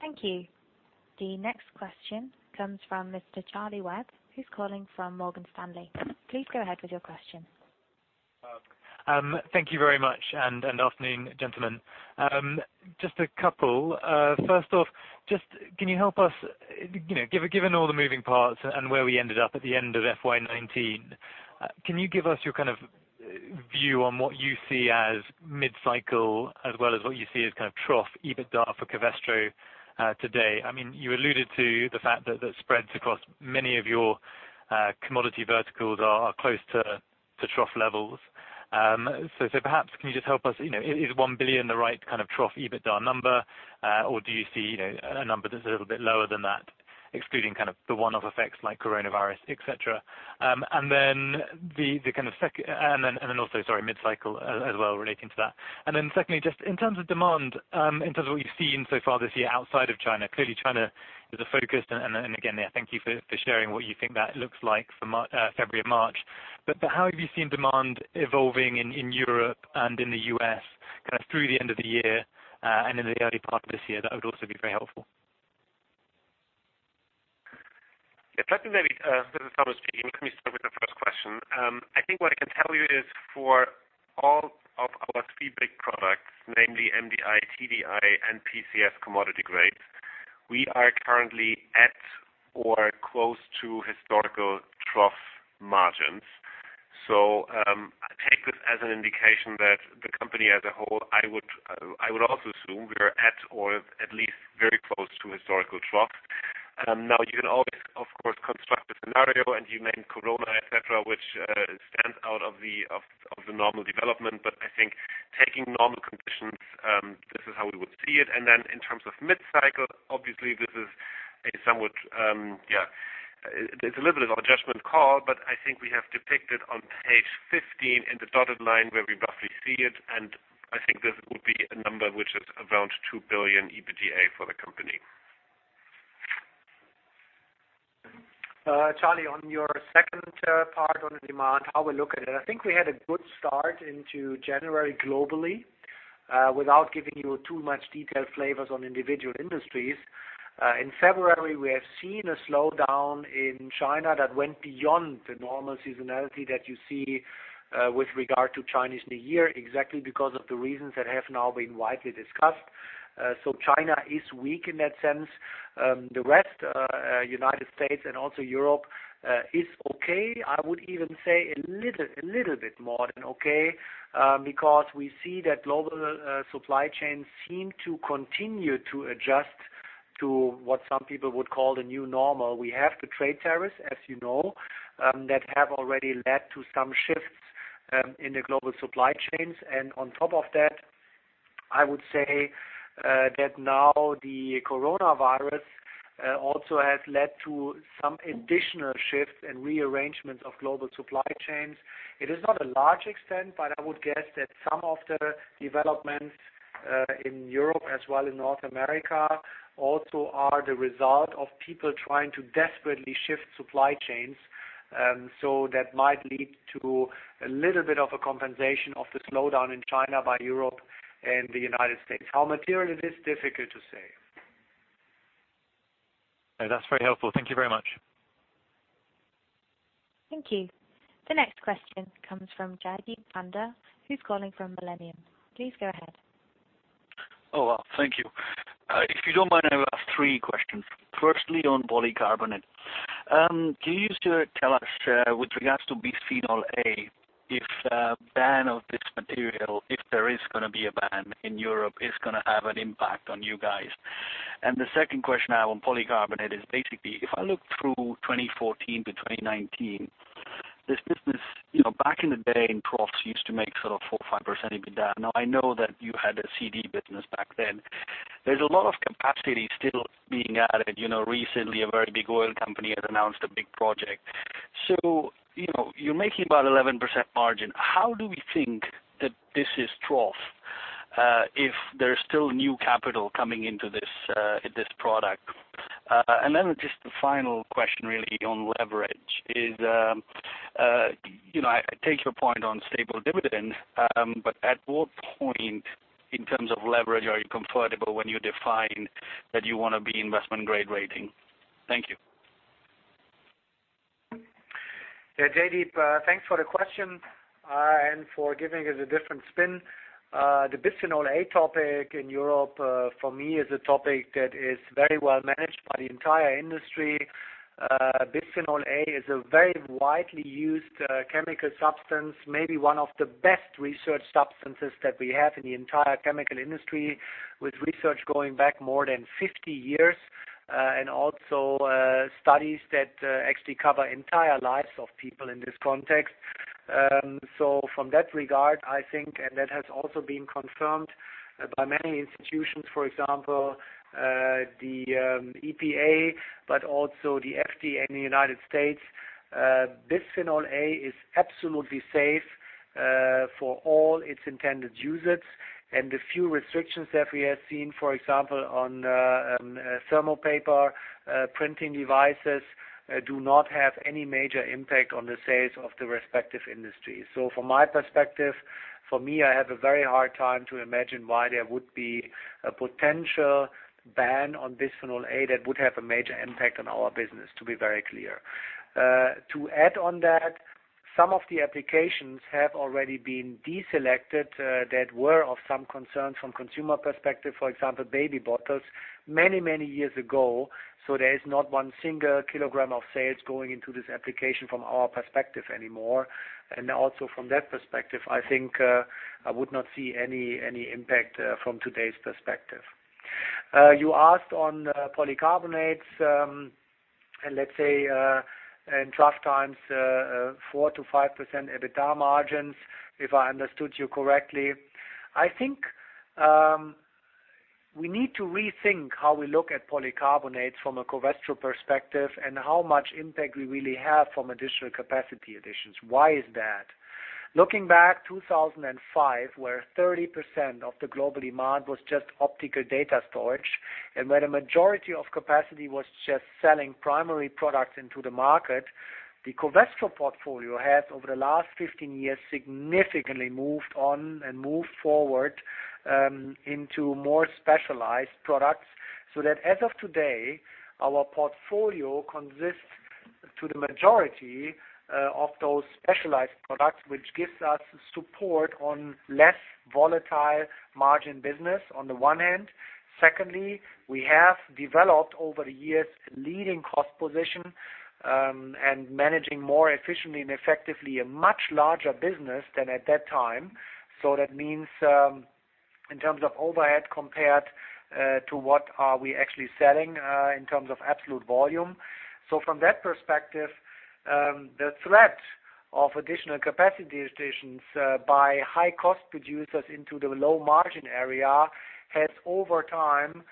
Thank you. The next question comes from Mr. Charlie Webb, who is calling from Morgan Stanley. Please go ahead with your question. Thank you very much, and good afternoon, gentlemen. Just a couple. Can you help us, given all the moving parts and where we ended up at the end of FY 2019, can you give us your view on what you see as mid-cycle as well as what you see as kind of trough EBITDA for Covestro today? You alluded to the fact that spreads across many of your commodity verticals are close to trough levels. Perhaps can you just help us, is 1 billion the right kind of trough EBITDA number? Or do you see a number that's a little bit lower than that, excluding the one-off effects like coronavirus, et cetera? Also, sorry, mid cycle as well relating to that. Secondly, just in terms of demand, in terms of what you've seen so far this year outside of China, clearly China is a focus. Again, thank you for sharing what you think that looks like for February and March. How have you seen demand evolving in Europe and in the U.S. through the end of the year, and in the early part of this year? That would also be very helpful. Yeah. This is Thomas speaking. Let me start with the first question. I think what I can tell you is for all of our three big products, namely MDI, TDI, and PCS commodity grades, we are currently at or close to historical trough margins. Take this as an indication that the company as a whole, I would also assume we are at or at least very close to historical troughs. Now, you can always, of course, construct a scenario, and you named coronavirus, et cetera, which stands out of the normal development. I think taking normal conditions, this is how we would see it. In terms of mid-cycle, obviously this is a little bit of a judgment call, but I think we have depicted on page 15 in the dotted line where we roughly see it, and I think this would be a number which is around 2 billion EBITDA for the company. Charlie, on your second part on demand, how we look at it. I think we had a good start into January globally. Without giving you too much detailed flavors on individual industries. In February, we have seen a slowdown in China that went beyond the normal seasonality that you see with regard to Chinese New Year, exactly because of the reasons that have now been widely discussed. China is weak in that sense. The rest, United States and also Europe, is okay. I would even say a little bit more than okay, because we see that global supply chains seem to continue to adjust to what some people would call the new normal. We have the trade tariffs, as you know, that have already led to some shifts in the global supply chains. On top of that, I would say that now the coronavirus also has led to some additional shifts and rearrangements of global supply chains. It is not a large extent, but I would guess that some of the developments in Europe as well in North America also are the result of people trying to desperately shift supply chains. That might lead to a little bit of a compensation of the slowdown in China by Europe and the United States. How material it is? Difficult to say. That's very helpful. Thank you very much. Thank you. The next question comes from Jaideep Pandya, who's calling from Millennium. Please go ahead. Oh, wow. Thank you. If you don't mind, I have three questions. Firstly, on polycarbonate. Can you tell us, with regards to bisphenol A, if a ban of this material, if there is going to be a ban in Europe, is going to have an impact on you guys? The second question I have on polycarbonate is basically, if I look through 2014-2019, this business back in the day in troughs used to make sort of 4%, 5% EBITDA. Now I know that you had a CD business back then. There's a lot of capacity still being added. Recently, a very big oil company has announced a big project. You're making about 11% margin. How do we think that this is trough, if there's still new capital coming into this product? Just the final question really on leverage is, I take your point on stable dividend. At what point in terms of leverage are you comfortable when you define that you want to be investment-grade rating? Thank you. Jaideep, thanks for the question, for giving us a different spin. The bisphenol A topic in Europe for me is a topic that is very well managed by the entire industry. Bisphenol A is a very widely used chemical substance, maybe one of the best-researched substances that we have in the entire chemical industry, with research going back more than 50 years, also studies that actually cover entire lives of people in this context. From that regard, I think, that has also been confirmed by many institutions, for example, the EPA, also the FDA in the United States. Bisphenol A is absolutely safe for all its intended usage, the few restrictions that we have seen, for example, on thermal paper printing devices, do not have any major impact on the sales of the respective industry. From my perspective, for me, I have a very hard time to imagine why there would be a potential ban on bisphenol A that would have a major impact on our business, to be very clear. To add on that, some of the applications have already been deselected that were of some concern from consumer perspective, for example, baby bottles, many years ago. There is not one single kilogram of sales going into this application from our perspective anymore. Also from that perspective, I think I would not see any impact from today's perspective. You asked on polycarbonates, and let's say, in tough times, 4%-5% EBITDA margins, if I understood you correctly. I think we need to rethink how we look at polycarbonates from a Covestro perspective and how much impact we really have from additional capacity additions. Why is that? Looking back 2005, where 30% of the global demand was just optical data storage, and where the majority of capacity was just selling primary products into the market. The Covestro portfolio has, over the last 15 years, significantly moved on and moved forward into more specialized products, so that as of today, our portfolio consists to the majority of those specialized products, which gives us support on less volatile margin business on the one hand. Secondly, we have developed over the years a leading cost position, and managing more efficiently and effectively a much larger business than at that time. That means, in terms of overhead compared to what are we actually selling in terms of absolute volume. From that perspective, the threat of additional capacity additions by high-cost producers into the low-margin area has, over time,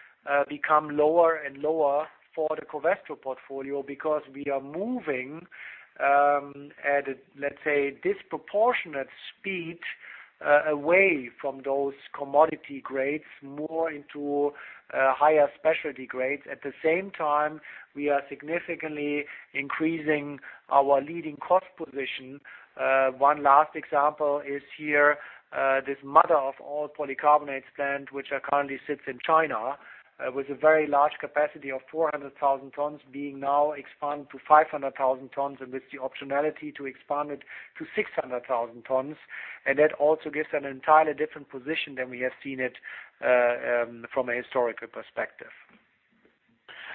become lower and lower for the Covestro portfolio because we are moving at, let's say, disproportionate speed away from those commodity grades, more into higher specialty grades. At the same time, we are significantly increasing our leading cost position. One last example is here, this mother of all polycarbonate plant, which currently sits in China, with a very large capacity of 400,000 tons being now expanded to 500,000 tons, and with the optionality to expand it to 600,000 tons. That also gives an entirely different position than we have seen it from a historical perspective.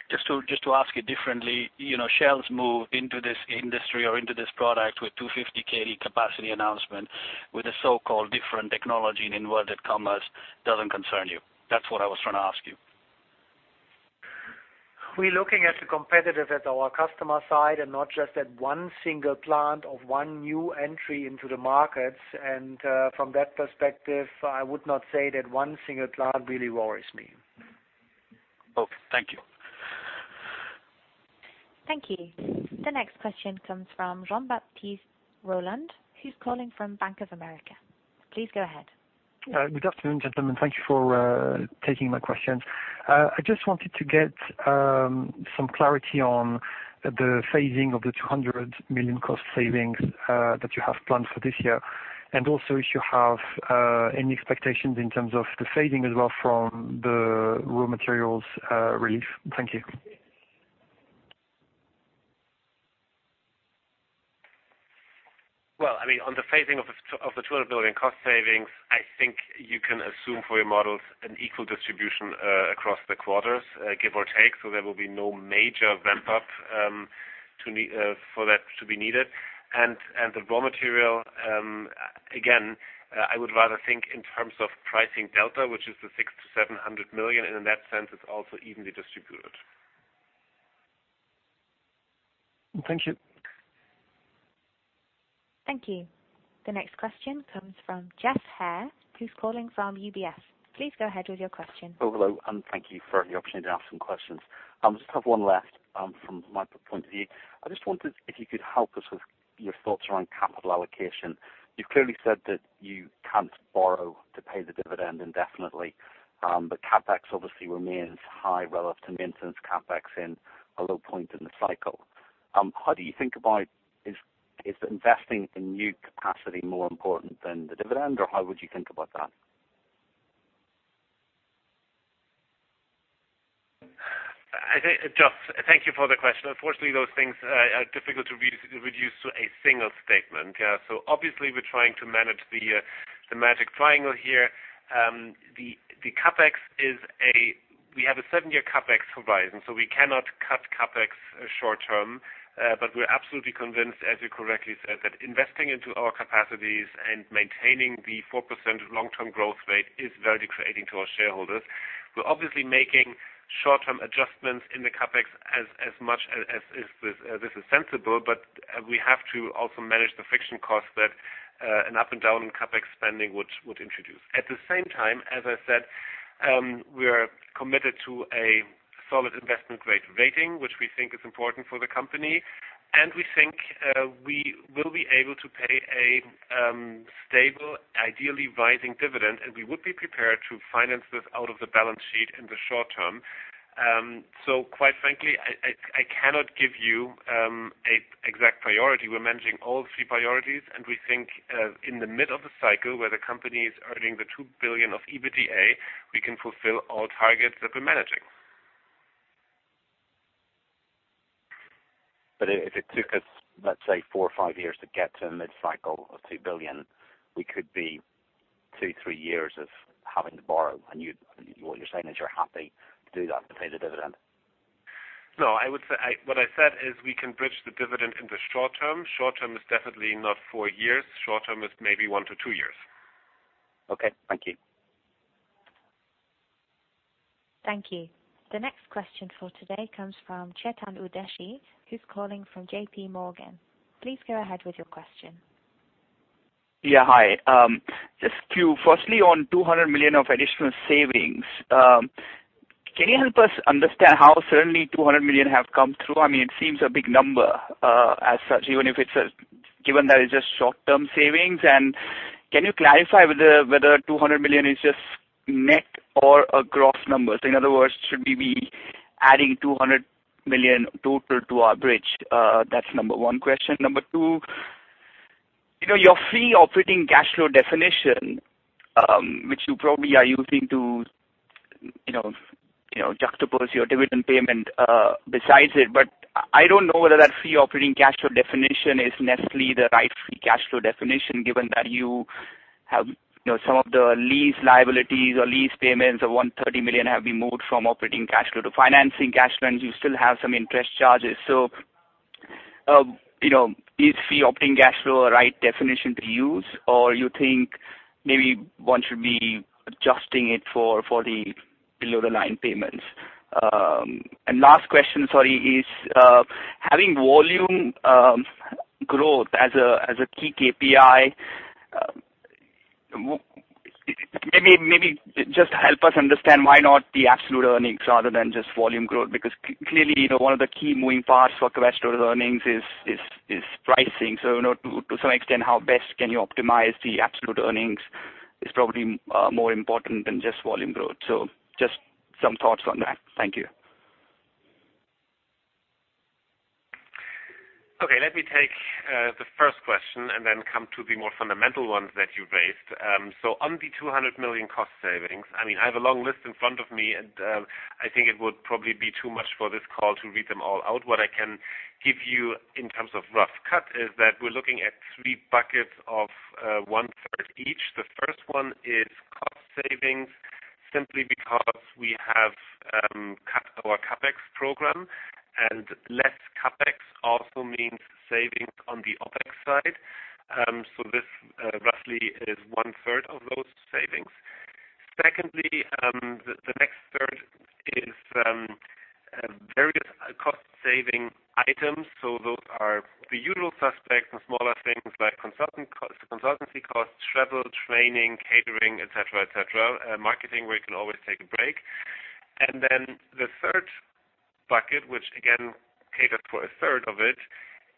Just to ask you differently. Shell's move into this industry or into this product with 250K capacity announcement with a so-called different technology in inverted commas doesn't concern you. That's what I was trying to ask you. We're looking at the competitive at our customer side and not just at one single plant of one new entry into the markets. From that perspective, I would not say that one single plant really worries me. Okay. Thank you. Thank you. The next question comes from Jean-Baptiste Rolland, who's calling from Bank of America. Please go ahead. Good afternoon, gentlemen. Thank you for taking my questions. I just wanted to get some clarity on the phasing of the 200 million cost savings that you have planned for this year, and also if you have any expectations in terms of the phasing as well from the raw materials relief. Thank you. Well, on the phasing of the 200 billion cost savings, I think you can assume for your models an equal distribution across the quarters, give or take. There will be no major ramp-up for that to be needed. The raw material, again, I would rather think in terms of pricing delta, which is the 600 million-700 million, and in that sense, it's also evenly distributed. Thank you. Thank you. The next question comes from Geoff Haire, who's calling from UBS. Please go ahead with your question. Oh, hello, and thank you for the opportunity to ask some questions. I just have one last from my point of view. I just wondered if you could help us with your thoughts around capital allocation. You've clearly said that you can't borrow to pay the dividend indefinitely. CapEx obviously remains high relative to maintenance CapEx in a low point in the cycle. How do you think about investing in new capacity more important than the dividend, or how would you think about that? Geoff, thank you for the question. Unfortunately, those things are difficult to reduce to a single statement. Obviously, we're trying to manage the magic triangle here. We have a seven-year CapEx horizon, so we cannot cut CapEx short-term. We're absolutely convinced, as you correctly said, that investing into our capacities and maintaining the 4% long-term growth rate is very accretive to our shareholders. We're obviously making short-term adjustments in the CapEx as much as is sensible, but we have to also manage the friction costs that an up and down CapEx spending would introduce. At the same time, as I said, we are committed to a solid investment grade rating, which we think is important for the company, and we think we will be able to pay a stable, ideally rising dividend, and we would be prepared to finance this out of the balance sheet in the short term. Quite frankly, I cannot give you a exact priority. We're managing all three priorities, and we think in the mid of the cycle where the company is earning the 2 billion of EBITDA, we can fulfill all targets that we're managing. If it took us, let's say four or five years to get to a mid-cycle of 2 billion, we could be two, three years of having to borrow. What you're saying is you're happy to do that to pay the dividend. No. What I said is we can bridge the dividend in the short term. Short term is definitely not four years. Short term is maybe one to two years. Okay. Thank you. Thank you. The next question for today comes from Chetan Udeshi, who's calling from JPMorgan. Please go ahead with your question. Yeah. Hi. Firstly, on 200 million of additional savings, can you help us understand how suddenly 200 million have come through? It seems a big number as such, even if it's given that it's just short-term savings. Can you clarify whether 200 million is just net or a gross number? In other words, should we be adding 200 million total to our bridge? That's number one question. Number two, your free operating cash flow definition, which you probably are using to juxtapose your dividend payment, besides it. I don't know whether that free operating cash flow definition is necessarily the right free cash flow definition, given that you have some of the lease liabilities or lease payments of 130 million have been moved from operating cash flow to financing cash flow, and you still have some interest charges. Is free operating cash flow a right definition to use, or you think maybe one should be adjusting it for the below the line payments? Last question, sorry, is having volume growth as a key KPI, maybe just help us understand why not the absolute earnings rather than just volume growth, because clearly, one of the key moving parts for Covestro earnings is pricing. To some extent, how best can you optimize the absolute earnings is probably more important than just volume growth. Just some thoughts on that. Thank you. Let me take the first question and then come to the more fundamental ones that you raised. On the 200 million cost savings, I have a long list in front of me, and I think it would probably be too much for this call to read them all out. What I can give you in terms of rough cut is that we're looking at three buckets of 1/3 each. The first one is cost savings simply because we have cut our CapEx program, and less CapEx also means savings on the OpEx side. This roughly is one third of those savings. Secondly, the next third is various cost-saving items. Those are the usual suspects and smaller things like consultancy costs, travel, training, catering, et cetera. Marketing, we can always take a break. The third bucket, which again caters for a third of it,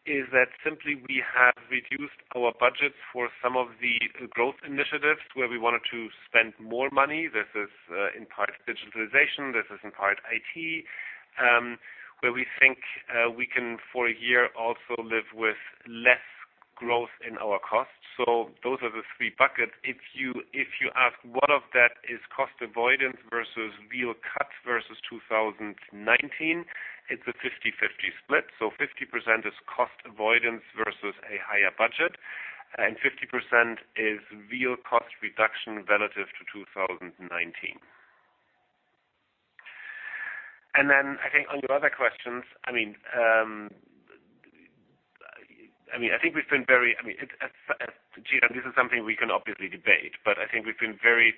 is that simply we have reduced our budget for some of the growth initiatives where we wanted to spend more money. This is in part digitalization, this is in part IT, where we think we can, for a year, also live with less growth in our costs. Those are the three buckets. If you ask what of that is cost avoidance versus real cuts versus 2019, it's a 50/50 split. 50% is cost avoidance versus a higher budget, and 50% is real cost reduction relative to 2019. I think on your other questions, I think we've been Chetan, this is something we can obviously debate, but I think we've been very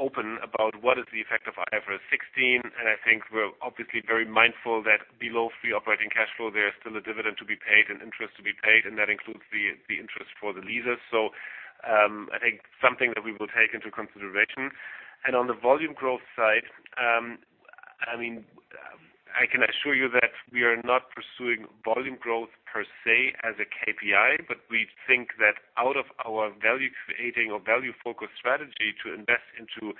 open about what is the effect of IFRS 16, and I think we're obviously very mindful that below free operating cash flow, there is still a dividend to be paid and interest to be paid, and that includes the interest for the leases. I think something that we will take into consideration. On the volume growth side, I can assure you that we are not pursuing volume growth per se as a KPI, but we think that out of our value creating or value-focused strategy to invest into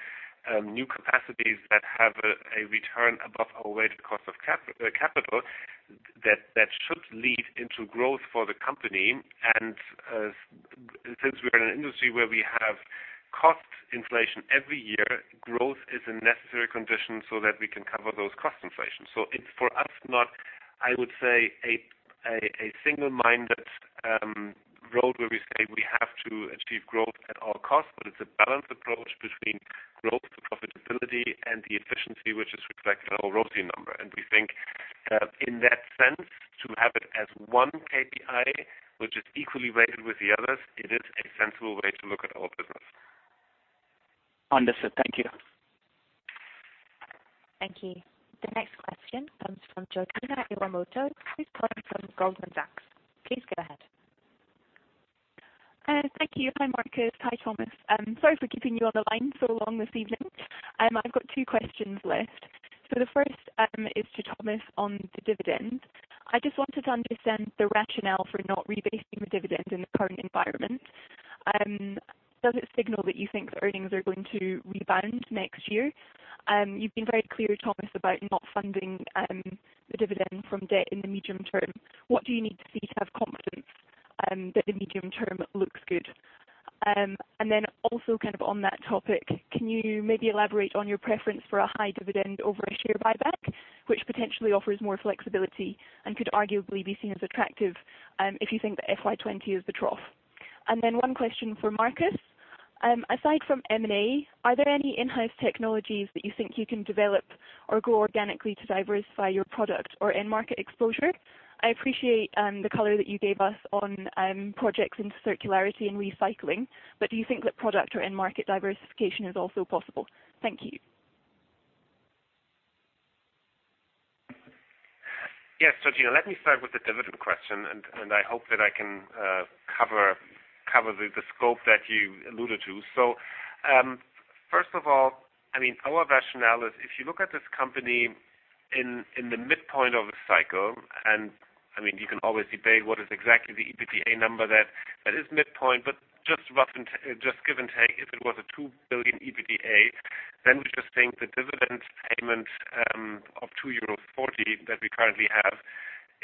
new capacities that have a return above our weighted cost of capital, that should lead into growth for the company. Since we're in an industry where we have cost inflation every year, growth is a necessary condition so that we can cover those cost inflations. It's, for us, not, I would say, a single-minded road where we say we have to achieve growth at all costs, but it's a balanced approach between growth, profitability, and the efficiency, which is reflected in our ROCE number. We think, in that sense, to have it as one KPI, which is equally weighted with the others, it is a sensible way to look at our business. Understood. Thank you. Thank you. The next question comes from Georgina Iwamoto, who's calling from Goldman Sachs. Please go ahead. Thank you. Hi, Markus. Hi, Thomas. Sorry for keeping you on the line so long this evening. I've got two questions left. The first is to Thomas on the dividend. I just wanted to understand the rationale for not rebasing the dividend in the current environment. Does it signal that you think earnings are going to rebound next year? You've been very clear, Thomas, about not funding the dividend from debt in the medium term. What do you need to see to have confidence that the medium term looks good? Also on that topic, can you maybe elaborate on your preference for a high dividend over a share buyback, which potentially offers more flexibility and could arguably be seen as attractive if you think that FY 2020 is the trough. One question for Markus. Aside from M&A, are there any in-house technologies that you think you can develop or grow organically to diversify your product or end market exposure? I appreciate the color that you gave us on projects into circularity and recycling. Do you think that product or end market diversification is also possible? Thank you. Yes. Georgina, let me start with the dividend question. I hope that I can cover the scope that you alluded to. First of all, our rationale is if you look at this company in the midpoint of a cycle. You can always debate what is exactly the EBITDA number that is midpoint, but just give and take, if it was a 2 billion EBITDA, we just think the dividend payment of 2.40 euro that we currently have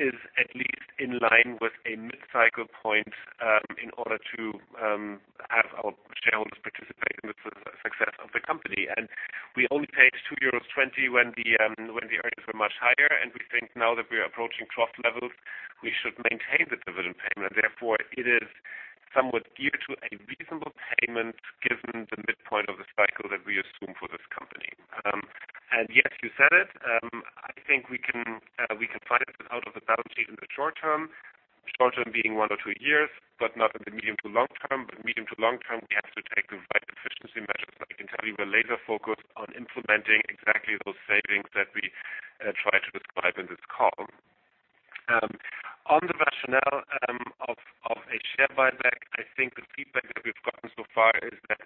is at least in line with a mid-cycle point in order to have our shareholders participate in the success of the company. We only paid 2.20 euros when the earnings were much higher. We think now that we are approaching trough levels, we should maintain the dividend payment. It is somewhat geared to a reasonable payment given the midpoint of the cycle that we assume for this company. Yes, you said it, I think we can finance it out of the balance sheet in the short term, short term being one or two years, but not in the medium to long term. Medium to long term, we have to take the right efficiency measures. I can tell you we're laser-focused on implementing exactly those savings that we try to describe in this call. On the rationale of a share buyback, I think the feedback that we've gotten so far is that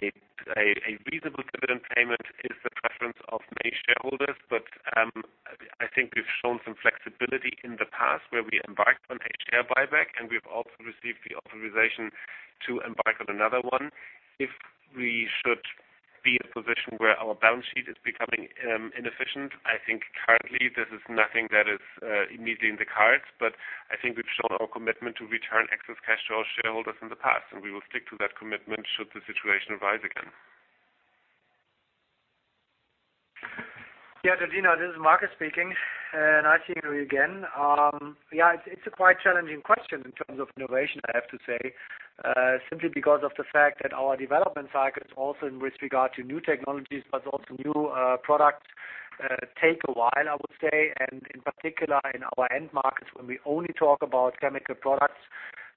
a reasonable dividend payment is the preference of many shareholders, but I think we've shown some flexibility in the past where we embarked on a share buyback, and we've also received the authorization to embark on another one if we should be in a position where our balance sheet is becoming inefficient. I think currently this is nothing that is immediately in the cards, but I think we've shown our commitment to return excess cash to our shareholders in the past, and we will stick to that commitment should the situation arise again. Georgina, this is Markus speaking. Nice hearing you again. It's a quite challenging question in terms of innovation, I have to say, simply because of the fact that our development cycles also in with regard to new technologies, but also new products, take a while, I would say. In particular, in our end markets, when we only talk about chemical products,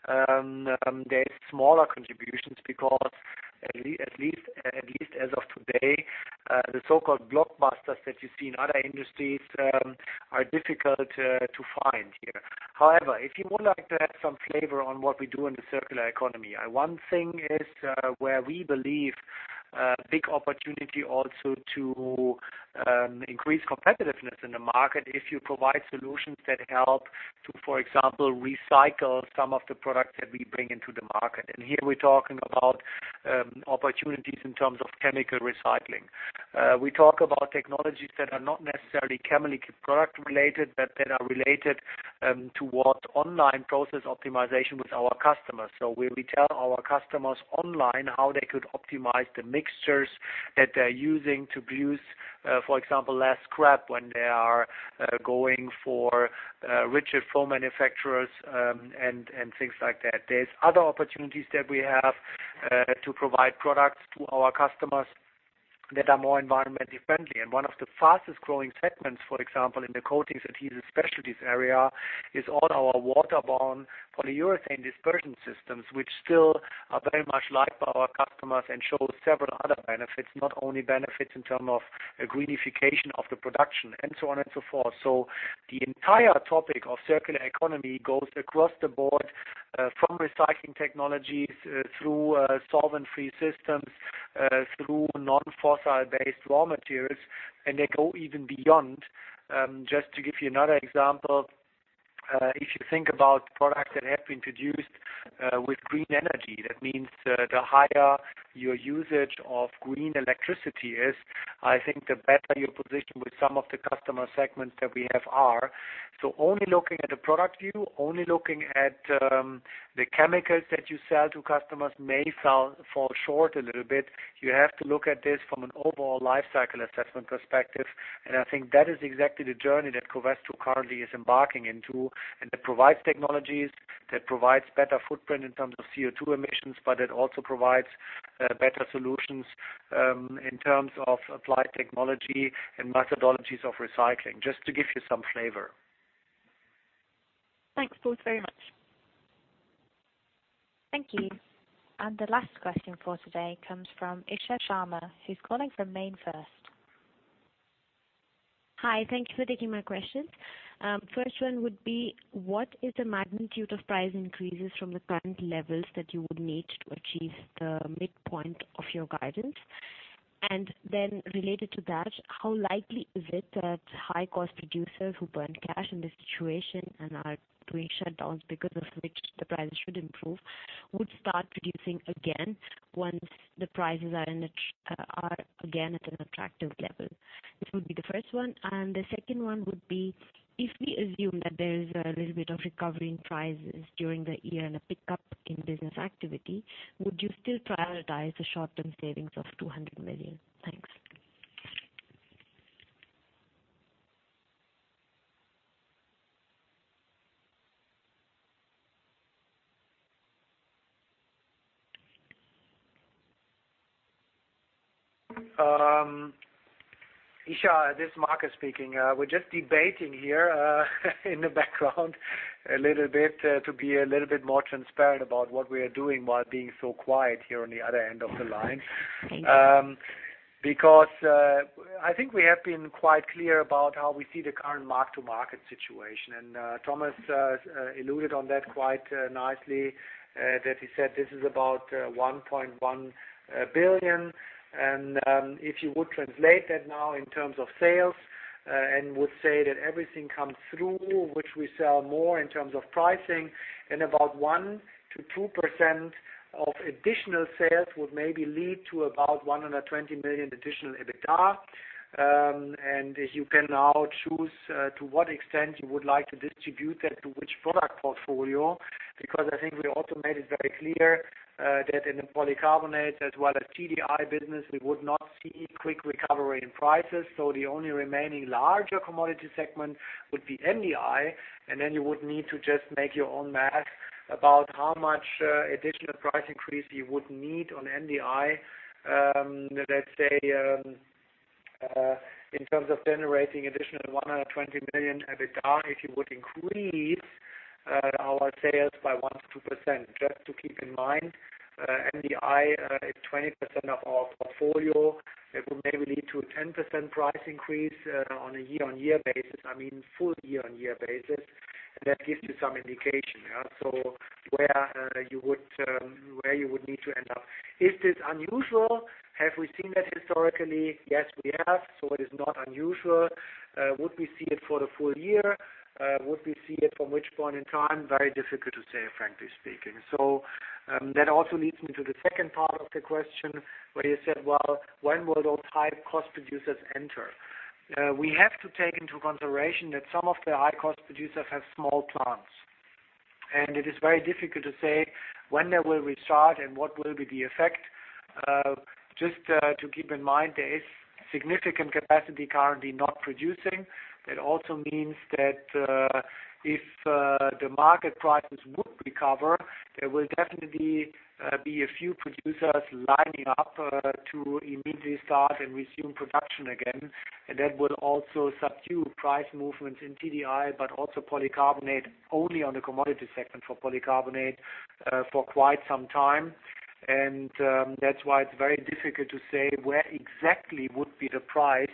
there is smaller contributions because at least as of today, the so-called blockbusters that you see in other industries are difficult to find here. However, if you would like to have some flavor on what we do in the circular economy, one thing is where we believe big opportunity also to increase competitiveness in the market if you provide solutions that help to, for example, recycle some of the products that we bring into the market. Here we're talking about opportunities in terms of chemical recycling. We talk about technologies that are not necessarily chemical product related, but that are related toward online process optimization with our customers. Where we tell our customers online how they could optimize the mixtures that they're using to produce, for example, less scrap when they are going for rigid foam manufacturers, and things like that. There's other opportunities that we have to provide products to our customers that are more environmentally friendly. One of the fastest-growing segments, for example, in the Coatings, Adhesives, Specialties area, is all our waterborne polyurethane dispersion systems, which still are very much liked by our customers and show several other benefits, not only benefits in terms of greenification of the production, and so on and so forth. The entire topic of circular economy goes across the board, from recycling technologies through solvent-free systems, through non-fossil-based raw materials, and they go even beyond. Just to give you another example, if you think about products that have been produced with green energy, that means the higher your usage of green electricity is, I think the better your position with some of the customer segments that we have are. Only looking at the product view, only looking at the chemicals that you sell to customers may fall short a little bit. You have to look at this from an overall life cycle assessment perspective, and I think that is exactly the journey that Covestro currently is embarking into, and that provides technologies, that provides better footprint in terms of CO2 emissions, but it also provides better solutions in terms of applied technology and methodologies of recycling. Just to give you some flavor. Thanks both very much. Thank you. The last question for today comes from Isha Sharma, who's calling from MainFirst. Hi. Thank you for taking my questions. First one would be, what is the magnitude of price increases from the current levels that you would need to achieve the midpoint of your guidance? Related to that, how likely is it that high-cost producers who burn cash in this situation and are doing shutdowns because of which the prices should improve, would start producing again, once the prices are again at an attractive level? This would be the first one. The second one would be, if we assume that there is a little bit of recovery in prices during the year and a pickup in business activity, would you still prioritize the short-term savings of 200 million? Thanks. Isha, this is Markus speaking. We're just debating here, in the background, a little bit, to be a little bit more transparent about what we are doing while being so quiet here on the other end of the line. Okay. I think we have been quite clear about how we see the current mark-to-market situation, and Thomas alluded on that quite nicely, that he said this is about 1.1 billion. If you would translate that now in terms of sales and would say that everything comes through, which we sell more in terms of pricing, and about 1%-2% of additional sales would maybe lead to about 120 million additional EBITDA. You can now choose to what extent you would like to distribute that to which product portfolio. I think we also made it very clear that in the polycarbonate as well as TDI business, we would not see quick recovery in prices. The only remaining larger commodity segment would be MDI, and then you would need to just make your own math about how much additional price increase you would need on MDI. Let's say, in terms of generating additional 120 million EBITDA, if you would increase our sales by 1%-2%. Just to keep in mind, MDI is 20% of our portfolio. It would maybe lead to a 10% price increase on a year-on-year basis. I mean, full year-on-year basis. That gives you some indication. Where you would need to end up. Is this unusual? Have we seen that historically? Yes, we have. It is not unusual. Would we see it for the full year? Would we see it from which point in time? Very difficult to say, frankly speaking. That also leads me to the second part of the question where you said, well, when will those high-cost producers enter? We have to take into consideration that some of the high-cost producers have small plants. It is very difficult to say when they will restart and what will be the effect. Just to keep in mind, there is significant capacity currently not producing. That also means that, if the market prices would recover, there will definitely be a few producers lining up to immediately start and resume production again. That would also subdue price movements in TDI, but also polycarbonate, only on the commodity segment for polycarbonate, for quite some time. That's why it's very difficult to say where exactly would be the price,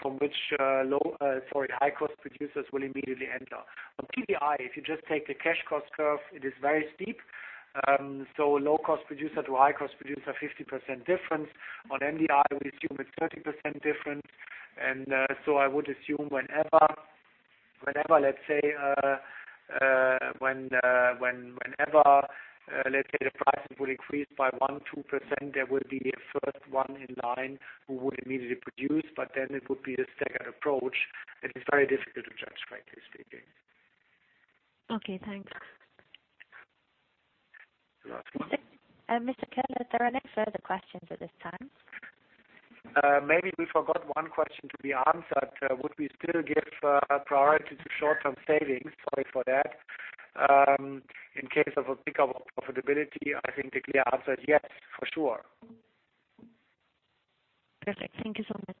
from which high-cost producers will immediately enter. On TDI, if you just take the cash cost curve, it is very steep. Low-cost producer to high-cost producer, 50% difference. On MDI, we assume it's 30% difference. I would assume whenever, let's say, the prices will increase by 1%, 2%, there will be a first one in line who would immediately produce, but then it would be the staggered approach, and it's very difficult to judge, frankly speaking. Okay, thanks. Last one. Mr. Köhler, there are no further questions at this time. Maybe we forgot one question to be answered. Would we still give priority to short-term savings? Sorry for that. In case of a pick of profitability, I think the clear answer is yes, for sure. Perfect. Thank you so much.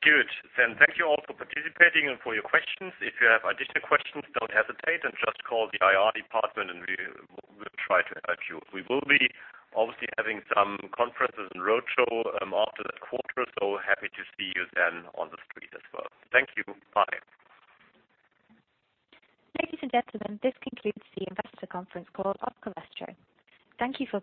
Good. Thank you all for participating and for your questions. If you have additional questions, don't hesitate and just call the IR department, and we will try to help you. We will be obviously having some conferences and roadshow after that quarter, happy to see you then on the street as well. Thank you. Bye. Ladies and gentlemen, this concludes the investor conference call of Covestro.